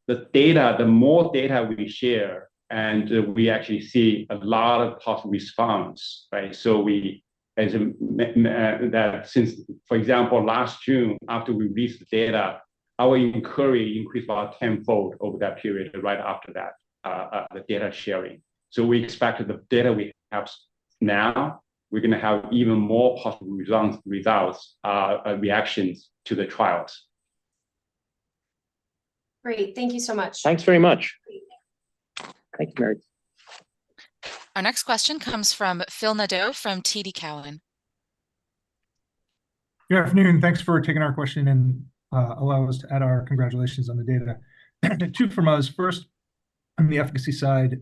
the data, the more data we share, and we actually see a lot of positive response, right? So we, as a that since, for example, last June, after we released the data, our inquiry increased about tenfold over that period, right after that, the data sharing. So we expect that the data we have now, we're going to have even more positive results, results, reactions to the trials. Great. Thank you so much. Thanks very much. Thank you, Mary. Our next question comes from Phil Nadeau, from TD Cowen. Good afternoon, thanks for taking our question, and allow us to add our congratulations on the data. 2 from us. First, on the efficacy side,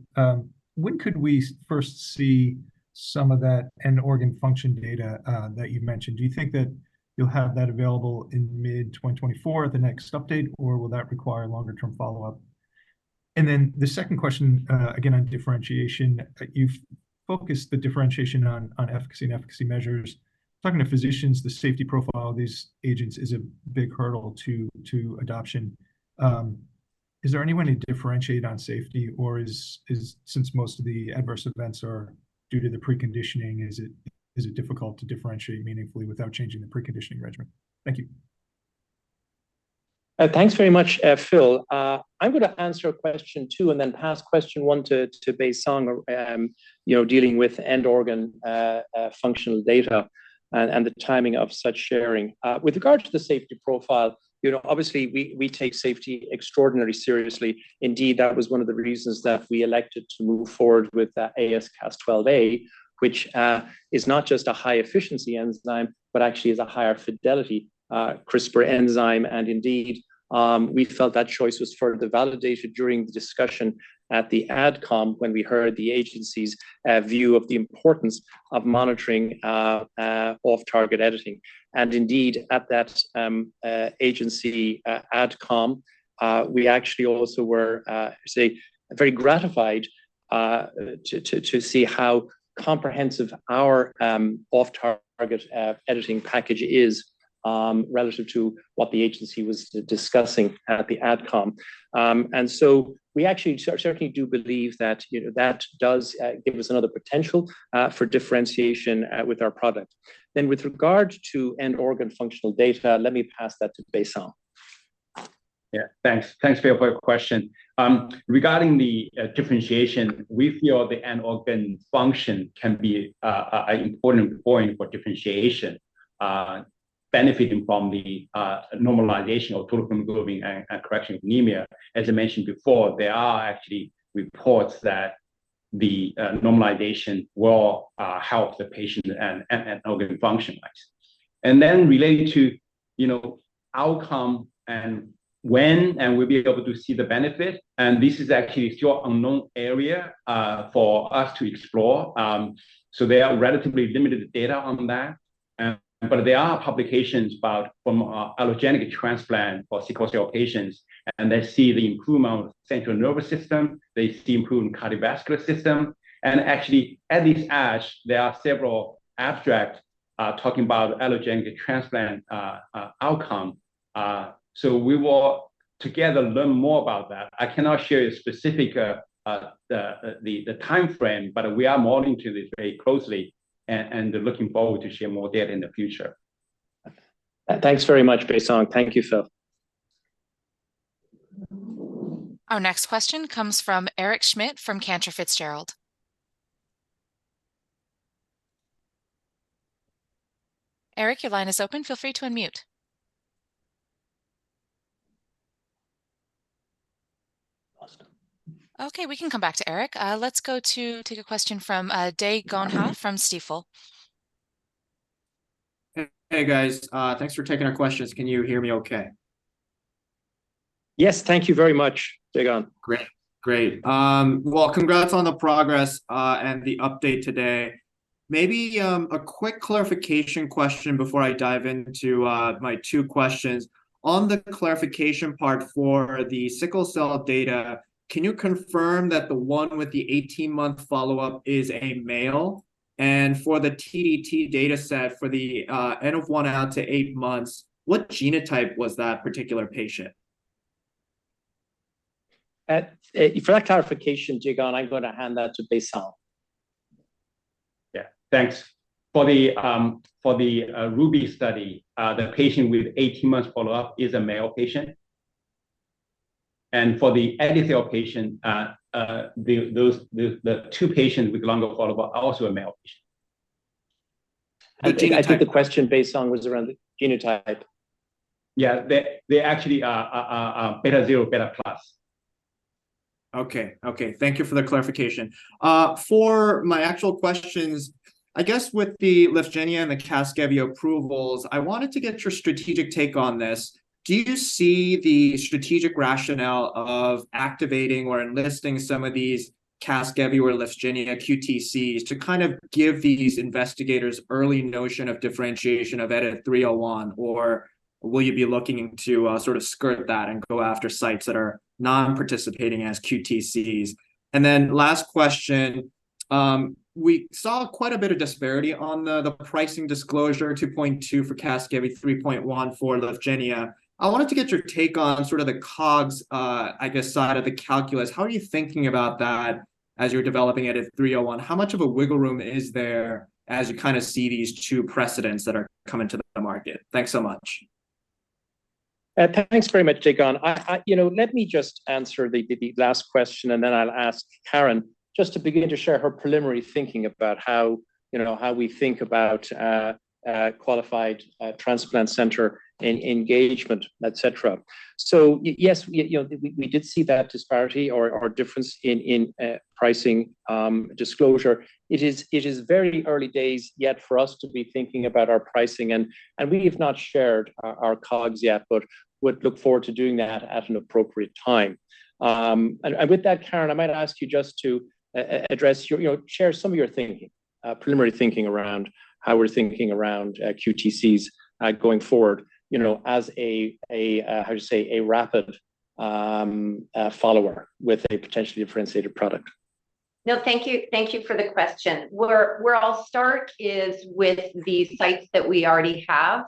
when could we first see some of that end organ function data that you mentioned? Do you think that you'll have that available in mid-2024, the next update, or will that require longer term follow-up? And then the second question, again, on differentiation. You've focused the differentiation on efficacy and efficacy measures. Talking to physicians, the safety profile of these agents is a big hurdle to adoption. Is there any way to differentiate on safety, or, since most of the adverse events are due to the preconditioning, is it difficult to differentiate meaningfully without changing the preconditioning regimen? Thank you. Thanks very much, Phil. I'm going to answer a question, too, and then pass question one to Baisong, you know, dealing with end organ functional data and the timing of such sharing. With regard to the safety profile, you know, obviously, we take safety extraordinarily seriously. Indeed, that was one of the reasons that we elected to move forward with the AsCas12a, which is not just a high efficiency enzyme, but actually is a higher fidelity CRISPR enzyme. And indeed, we felt that choice was further validated during the discussion at the AdCom, when we heard the agency's view of the importance of monitoring off-target editing. Indeed, at that agency AdCom, we actually also were very gratified to see how comprehensive our off-target editing package is relative to what the agency was discussing at the AdCom. And so we actually certainly do believe that, you know, that does give us another potential for differentiation with our product. Then with regard to end organ functional data, let me pass that to Baisong. Yeah. Thanks. Thanks for your question. Regarding the differentiation, we feel the end organ function can be an important point for differentiation, benefiting from the normalization of total hemoglobin and correction of anemia. As I mentioned before, there are actually reports that the normalization will help the patient and organ function wise. And then related to, you know, outcome and when and we'll be able to see the benefit, and this is actually still unknown area for us to explore. So they are relatively limited data on that, but there are publications about from allogeneic transplant for sickle cell patients, and they see the improvement of central nervous system, they see improvement in cardiovascular system. And actually, at least ASH, there are several abstracts talking about allogeneic transplant outcome. So we will together learn more about that. I cannot share a specific time frame, but we are monitoring this very closely and looking forward to share more data in the future. Thanks very much, Baisong. Thank you, Phil. Our next question comes from Eric Schmidt, from Cantor Fitzgerald. Eric, your line is open. Feel free to unmute. Awesome. Okay, we can come back to Eric. Let's go to take a question from Dae Gon Ha from Stifel. Hey, guys, thanks for taking our questions. Can you hear me okay? Yes. Thank you very much, Dae Gon Ha. Great. Great. Well, congrats on the progress, and the update today. Maybe, a quick clarification question before I dive into, my 2 questions. On the clarification part for the sickle cell data, can you confirm that the one with the 18-month follow-up is a male? And for the TDT dataset, for the N of 1 out to 8 months, what genotype was that particular patient?... for that clarification, Gina, I'm gonna hand that to Baisong. Yeah, thanks. For the RUBY study, the patient with 18 months follow-up is a male patient. And for the EdiTH patient, those two patients with longer follow-up are also a male patient. I think, I think the question, Baisong, was around the genotype. Yeah, they actually are beta zero, beta plus. Okay. Okay, thank you for the clarification. For my actual questions, I guess with the Lyfgenia and the Casgevy approvals, I wanted to get your strategic take on this. Do you see the strategic rationale of activating or enlisting some of these Casgevy or Lyfgenia QTCs to kind of give these investigators early notion of differentiation of EDIT-301? Or will you be looking to, sort of skirt that and go after sites that are non-participating as QTCs? And then last question, we saw quite a bit of disparity on the pricing disclosure, $2.2 million for Casgevy, $3.1 million for Lyfgenia. I wanted to get your take on sort of the COGS, I guess, side of the calculus. How are you thinking about that as you're developing EDIT-301? How much of a wiggle room is there as you kinda see these two precedents that are coming to the market? Thanks so much. Thanks very much, Gina. You know, let me just answer the last question, and then I'll ask Karen just to begin to share her preliminary thinking about how, you know, how we think about qualified transplant center engagement, et cetera. So yes, you know, we did see that disparity or difference in pricing disclosure. It is very early days yet for us to be thinking about our pricing, and we have not shared our COGS yet, but would look forward to doing that at an appropriate time. And with that, Karen, I might ask you just to address, you know, share some of your thinking, preliminary thinking around how we're thinking around QTCs going forward, you know, as a how you say a rapid follower with a potentially differentiated product. No, thank you. Thank you for the question. Where I'll start is with the sites that we already have.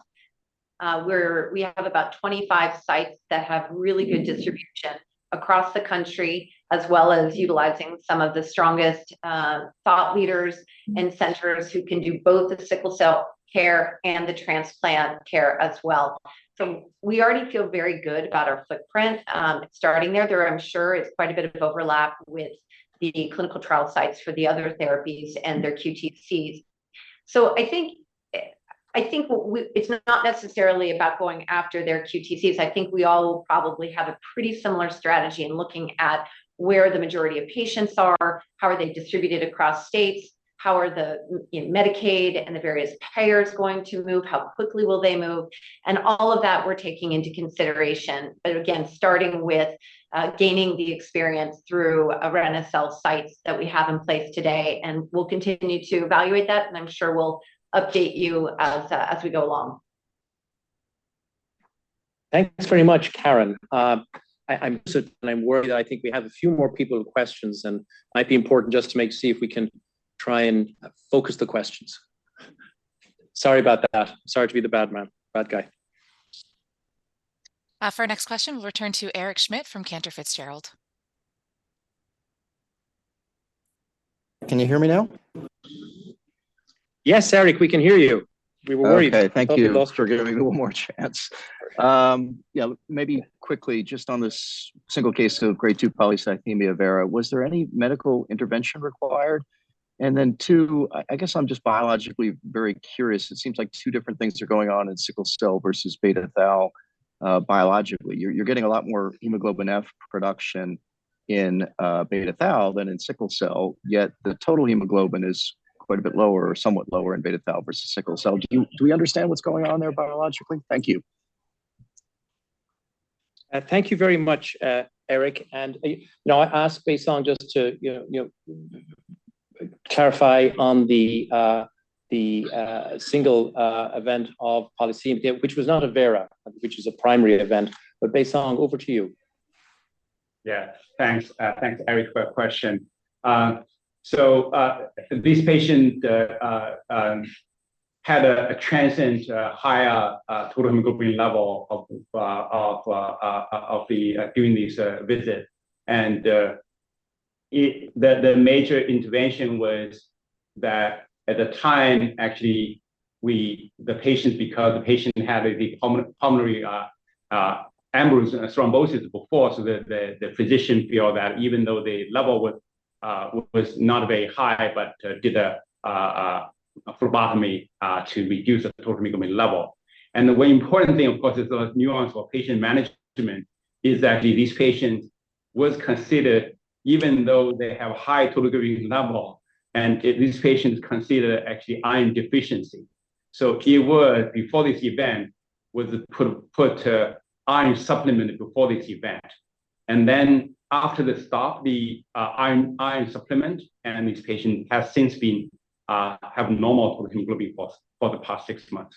We have about 25 sites that have really good distribution across the country, as well as utilizing some of the strongest thought leaders and centers who can do both the sickle cell care and the transplant care as well. So we already feel very good about our footprint. Starting there, I'm sure is quite a bit of overlap with the clinical trial sites for the other therapies and their QTCs. So I think, I think it's not necessarily about going after their QTCs. I think we all probably have a pretty similar strategy in looking at where the majority of patients are, how are they distributed across states, how are the, you know, Medicaid and the various payers going to move, how quickly will they move? And all of that we're taking into consideration. But again, starting with, gaining the experience through our NSF sites that we have in place today, and we'll continue to evaluate that, and I'm sure we'll update you as, as we go along. Thanks very much, Karen. And I'm worried that I think we have a few more people with questions, and it might be important just to make sure if we can try and focus the questions. Sorry about that. Sorry to be the bad man, bad guy. For our next question, we'll return to Eric Schmidt from Cantor Fitzgerald. Can you hear me now? Yes, Eric, we can hear you. We were worried. Okay, thank you. Thanks for giving me one more chance. Yeah, maybe quickly, just on this single case of grade 2 polycythemia vera, was there any medical intervention required? And then 2, I guess I'm just biologically very curious. It seems like 2 different things are going on in sickle cell versus beta thal, biologically. You're getting a lot more hemoglobin F production in beta thal than in sickle cell, yet the total hemoglobin is quite a bit lower or somewhat lower in beta thal versus sickle cell. Do we understand what's going on there biologically? Thank you. Thank you very much, Eric. And now, I ask Baisong just to, you know, you know, clarify on the single event of polycythemia, which was not a vera, which is a primary event, but Baisong, over to you. Yeah. Thanks, thanks, Eric, for that question. So, this patient had a transient higher total hemoglobin level of during this visit. And it... The major intervention was that at the time, actually, the patient, because the patient had a big pulmonary embolism thrombosis before, so the physician feel that even though the level was not very high, but did a phlebotomy to reduce the total hemoglobin level. And the way important thing, of course, is the nuance of patient management, is that this patient was considered, even though they have high total hemoglobin level, and this patient is considered actually iron deficiency. So keyword before this event was put iron supplement before this event. And then after the stop, the iron supplement, and this patient has since been have normal total hemoglobin levels for the past six months.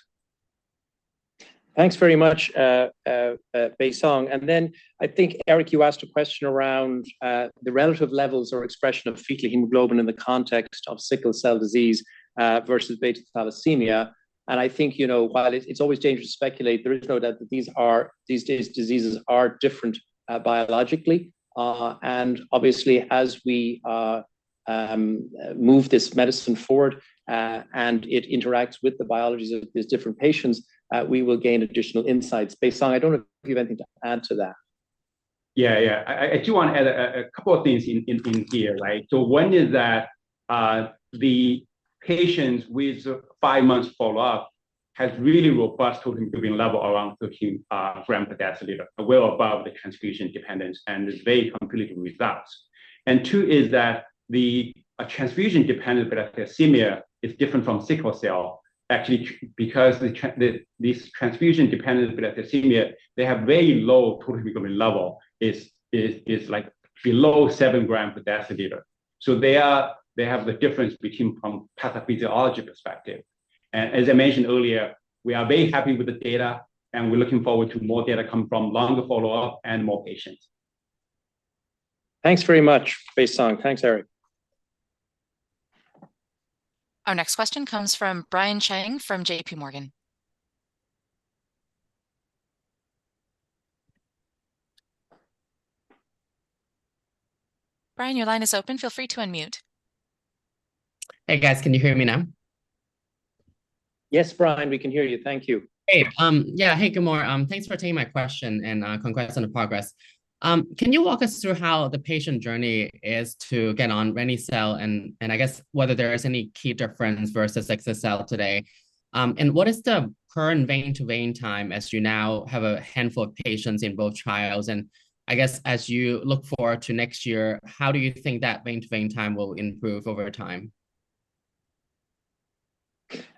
Thanks very much, Baisong. And then I think, Eric, you asked a question around the relative levels or expression of fetal hemoglobin in the context of sickle cell disease versus beta thalassemia. And I think, you know, while it's always dangerous to speculate, there is no doubt that these diseases are different biologically. And obviously, as we move this medicine forward and it interacts with the biologies of these different patients, we will gain additional insights. Baisong, I don't have anything to add to that. Yeah, yeah. I do want to add a couple of things in here, right? So one is that the patients with five months follow-up has really robust total hemoglobin level around 13 grams per deciliter, well above the transfusion dependence, and it's very conclusive results. And two is that a transfusion-dependent beta thalassemia is different from sickle cell, actually, because this transfusion-dependent thalassemia, they have very low total hemoglobin level. It's like below seven grams per deciliter. So they have the difference from pathophysiology perspective. And as I mentioned earlier, we are very happy with the data, and we're looking forward to more data come from longer follow-up and more patients. Thanks very much, Baisong. Thanks, Eric. Our next question comes from Brian Cheng from JP Morgan. Brian, your line is open. Feel free to unmute. Hey, guys, can you hear me now? Yes, Brian, we can hear you. Thank you. Hey, yeah. Hey, good morning. Thanks for taking my question, and, congrats on the progress. Can you walk us through how the patient journey is to get on reni-cel, and I guess whether there is any key difference versus exa-cel today? And what is the current vein to vein time as you now have a handful of patients in both trials? And I guess as you look forward to next year, how do you think that vein to vein time will improve over time?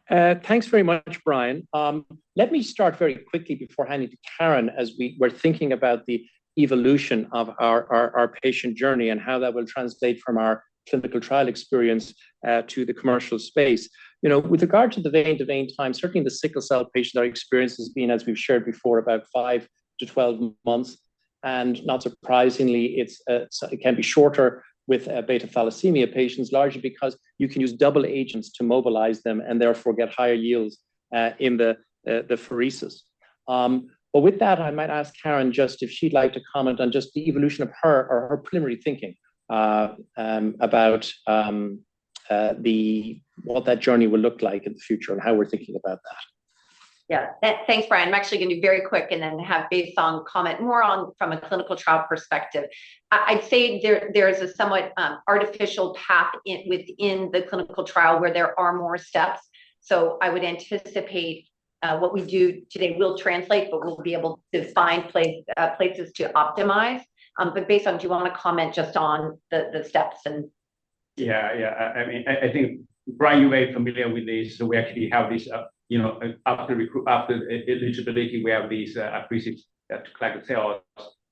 Thanks very much, Brian. Let me start very quickly before handing to Karen, as we were thinking about the evolution of our patient journey and how that will translate from our clinical trial experience to the commercial space. You know, with regard to the vein to vein time, certainly the sickle cell patient, our experience has been, as we've shared before, about five to 12 months, and not surprisingly, it's so it can be shorter with beta thalassemia patients, largely because you can use double agents to mobilize them and therefore get higher yields in the apheresis. With that, I might ask Karen just if she'd like to comment on just the evolution of her or her preliminary thinking about what that journey will look like in the future and how we're thinking about that. Yeah. Thanks, Brian. I'm actually going to be very quick and then have Baisong comment more on from a clinical trial perspective. I'd say there is a somewhat artificial path within the clinical trial where there are more steps. So I would anticipate what we do today will translate, but we'll be able to find places to optimize. But Baisong, do you want to comment just on the steps and- Yeah, yeah. I mean, I think, Brian, you're very familiar with this. So we actually have this, you know, after eligibility, we have these, apheresis, collect cells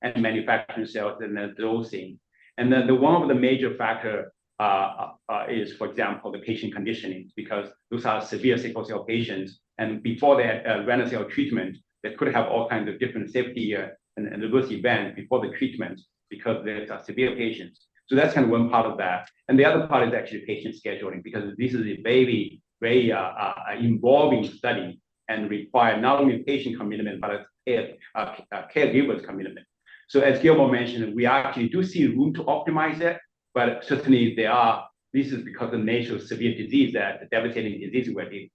and manufacture cells, and then dosing. And then the one of the major factor is, for example, the patient conditioning, because those are severe sickle cell patients, and before they had, reni-cel treatment, they could have all kinds of different safety, and adverse event before the treatment because they are severe patients. So that's kind of one part of that. And the other part is actually patient scheduling, because this is a very, very, involving study and require not only patient commitment, but a caregiver's commitment. So as Gilmore mentioned, we actually do see room to optimize it, but certainly there are... This is because the nature of severe disease, the devastating disease we're in. And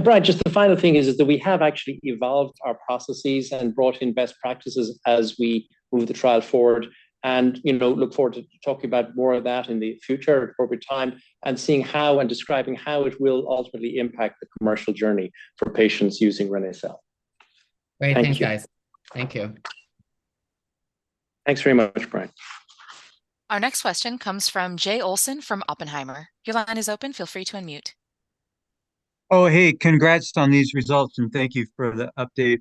Brian, just the final thing is that we have actually evolved our processes and brought in best practices as we move the trial forward, and, you know, look forward to talking about more of that in the future, appropriate time, and seeing how and describing how it will ultimately impact the commercial journey for patients using reni-cel. Great. Thanks, guys. Thank you. Thank you. Thanks very much, Brian. Our next question comes from Jay Olson from Oppenheimer. Your line is open. Feel free to unmute. Oh, hey, congrats on these results, and thank you for the update.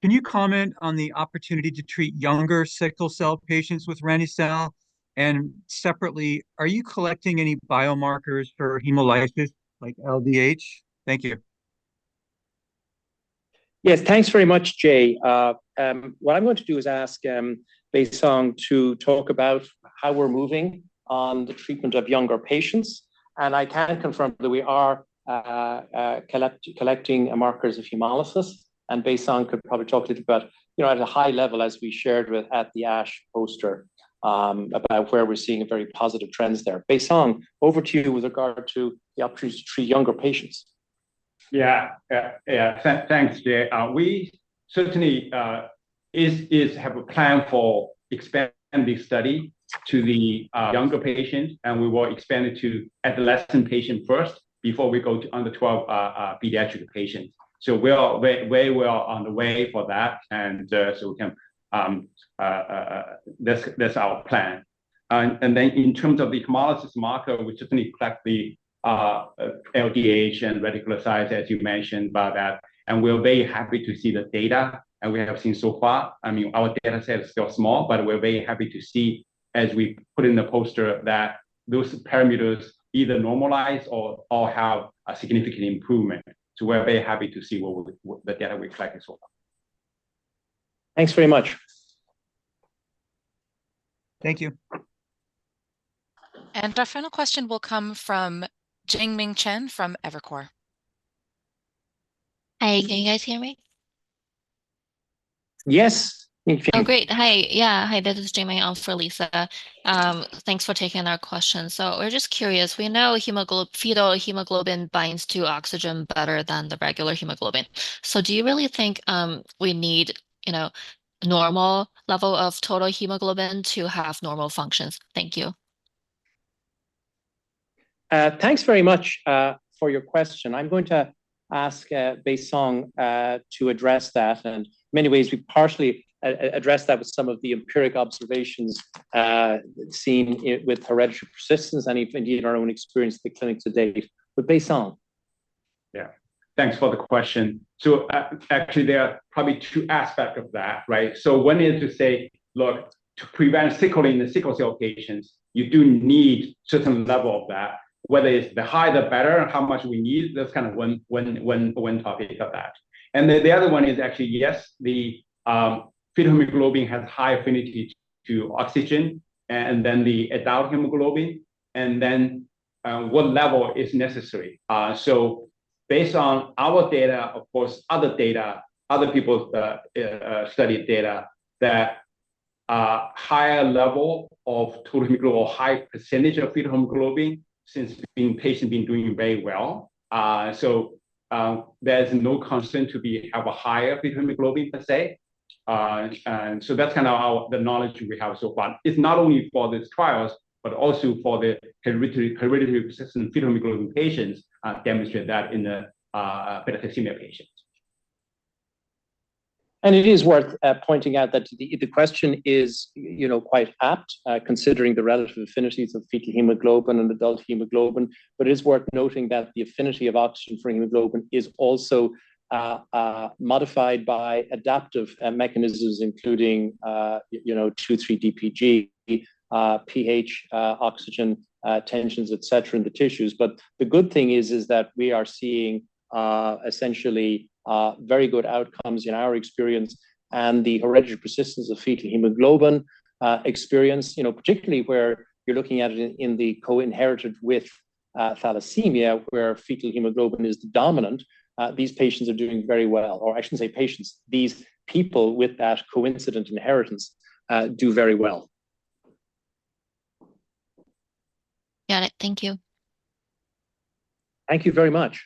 Can you comment on the opportunity to treat younger sickle cell patients with reni-cel? And separately, are you collecting any biomarkers for hemolysis, like LDH? Thank you. Yes, thanks very much, Jay. What I'm going to do is ask Baisong to talk about how we're moving on the treatment of younger patients, and I can confirm that we are collecting markers of hemolysis, and Baisong could probably talk a little about, you know, at a high level, as we shared at the ASH poster, about where we're seeing a very positive trends there. Baisong, over to you with regard to the opportunity to treat younger patients. Yeah, yeah, yeah. Thanks, Jay. We certainly have a plan for expanding this study to the younger patient, and we will expand it to adolescent patient first before we go to under 12 pediatric patients. So we are well on the way for that, and that's our plan. And then in terms of the hemolysis marker, we certainly collect the LDH and reticulocytes, as you mentioned by that, and we're very happy to see the data we have seen so far. I mean, our data set is still small, but we're very happy to see, as we put in the poster, that those parameters either normalize or have a significant improvement. So we're very happy to see the data we've collected so far. Thanks very much, Jay.... Thank you. Our final question will come from Jingming Chen from Evercore. Hi, can you guys hear me? Yes, we can. Oh, great. Hi. Yeah. Hi, this is Jingming, also for Liisa. Thanks for taking our question. So we're just curious, we know fetal hemoglobin binds to oxygen better than the regular hemoglobin. So do you really think, we need, you know, normal level of total hemoglobin to have normal functions? Thank you. Thanks very much for your question. I'm going to ask Baisong Mei to address that. In many ways, we've partially addressed that with some of the empirical observations seen in with hereditary persistence and even, indeed, in our own experience in the clinic to date. But Baisong Mei? Yeah. Thanks for the question. So, actually, there are probably two aspect of that, right? So one is to say, look, to prevent sickling in the sickle cell patients, you do need certain level of that, whether it's the higher, the better, and how much we need, that's kind of one topic of that. And then the other one is actually, yes, the fetal hemoglobin has high affinity to oxygen and then the adult hemoglobin, and then what level is necessary. So based on our data, of course, other data, other people's study data, that higher level of total hemoglobin or high percentage of fetal hemoglobin, since the patient been doing very well. So there's no concern to have a higher fetal hemoglobin, per se. and so that's kind of how the knowledge we have so far. It's not only for these trials, but also for the hereditary persistence of fetal hemoglobin patients demonstrate that in the beta thalassemia patients. And it is worth pointing out that the question is, you know, quite apt considering the relative affinities of fetal hemoglobin and adult hemoglobin. But it's worth noting that the affinity of oxygen for hemoglobin is also modified by adaptive mechanisms, including, you know, 2,3-DPG, pH, oxygen tensions, et cetera, in the tissues. But the good thing is that we are seeing essentially very good outcomes in our experience and the hereditary persistence of fetal hemoglobin experience, you know, particularly where you're looking at it in the co-inherited with thalassemia, where fetal hemoglobin is dominant. These patients are doing very well, or I shouldn't say patients, these people with that coincident inheritance do very well. Got it. Thank you. Thank you very much.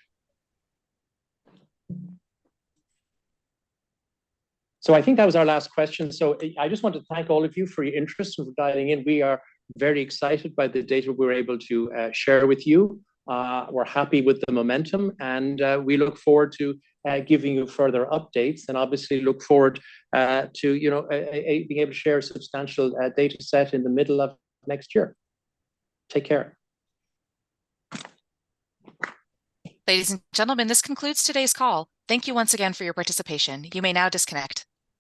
So I think that was our last question. So I, I just want to thank all of you for your interest in dialing in. We are very excited by the data we were able to share with you. We're happy with the momentum, and we look forward to giving you further updates and obviously look forward to you know being able to share a substantial data set in the middle of next year. Take care. Ladies and gentlemen, this concludes today's call. Thank you once again for your participation. You may now disconnect.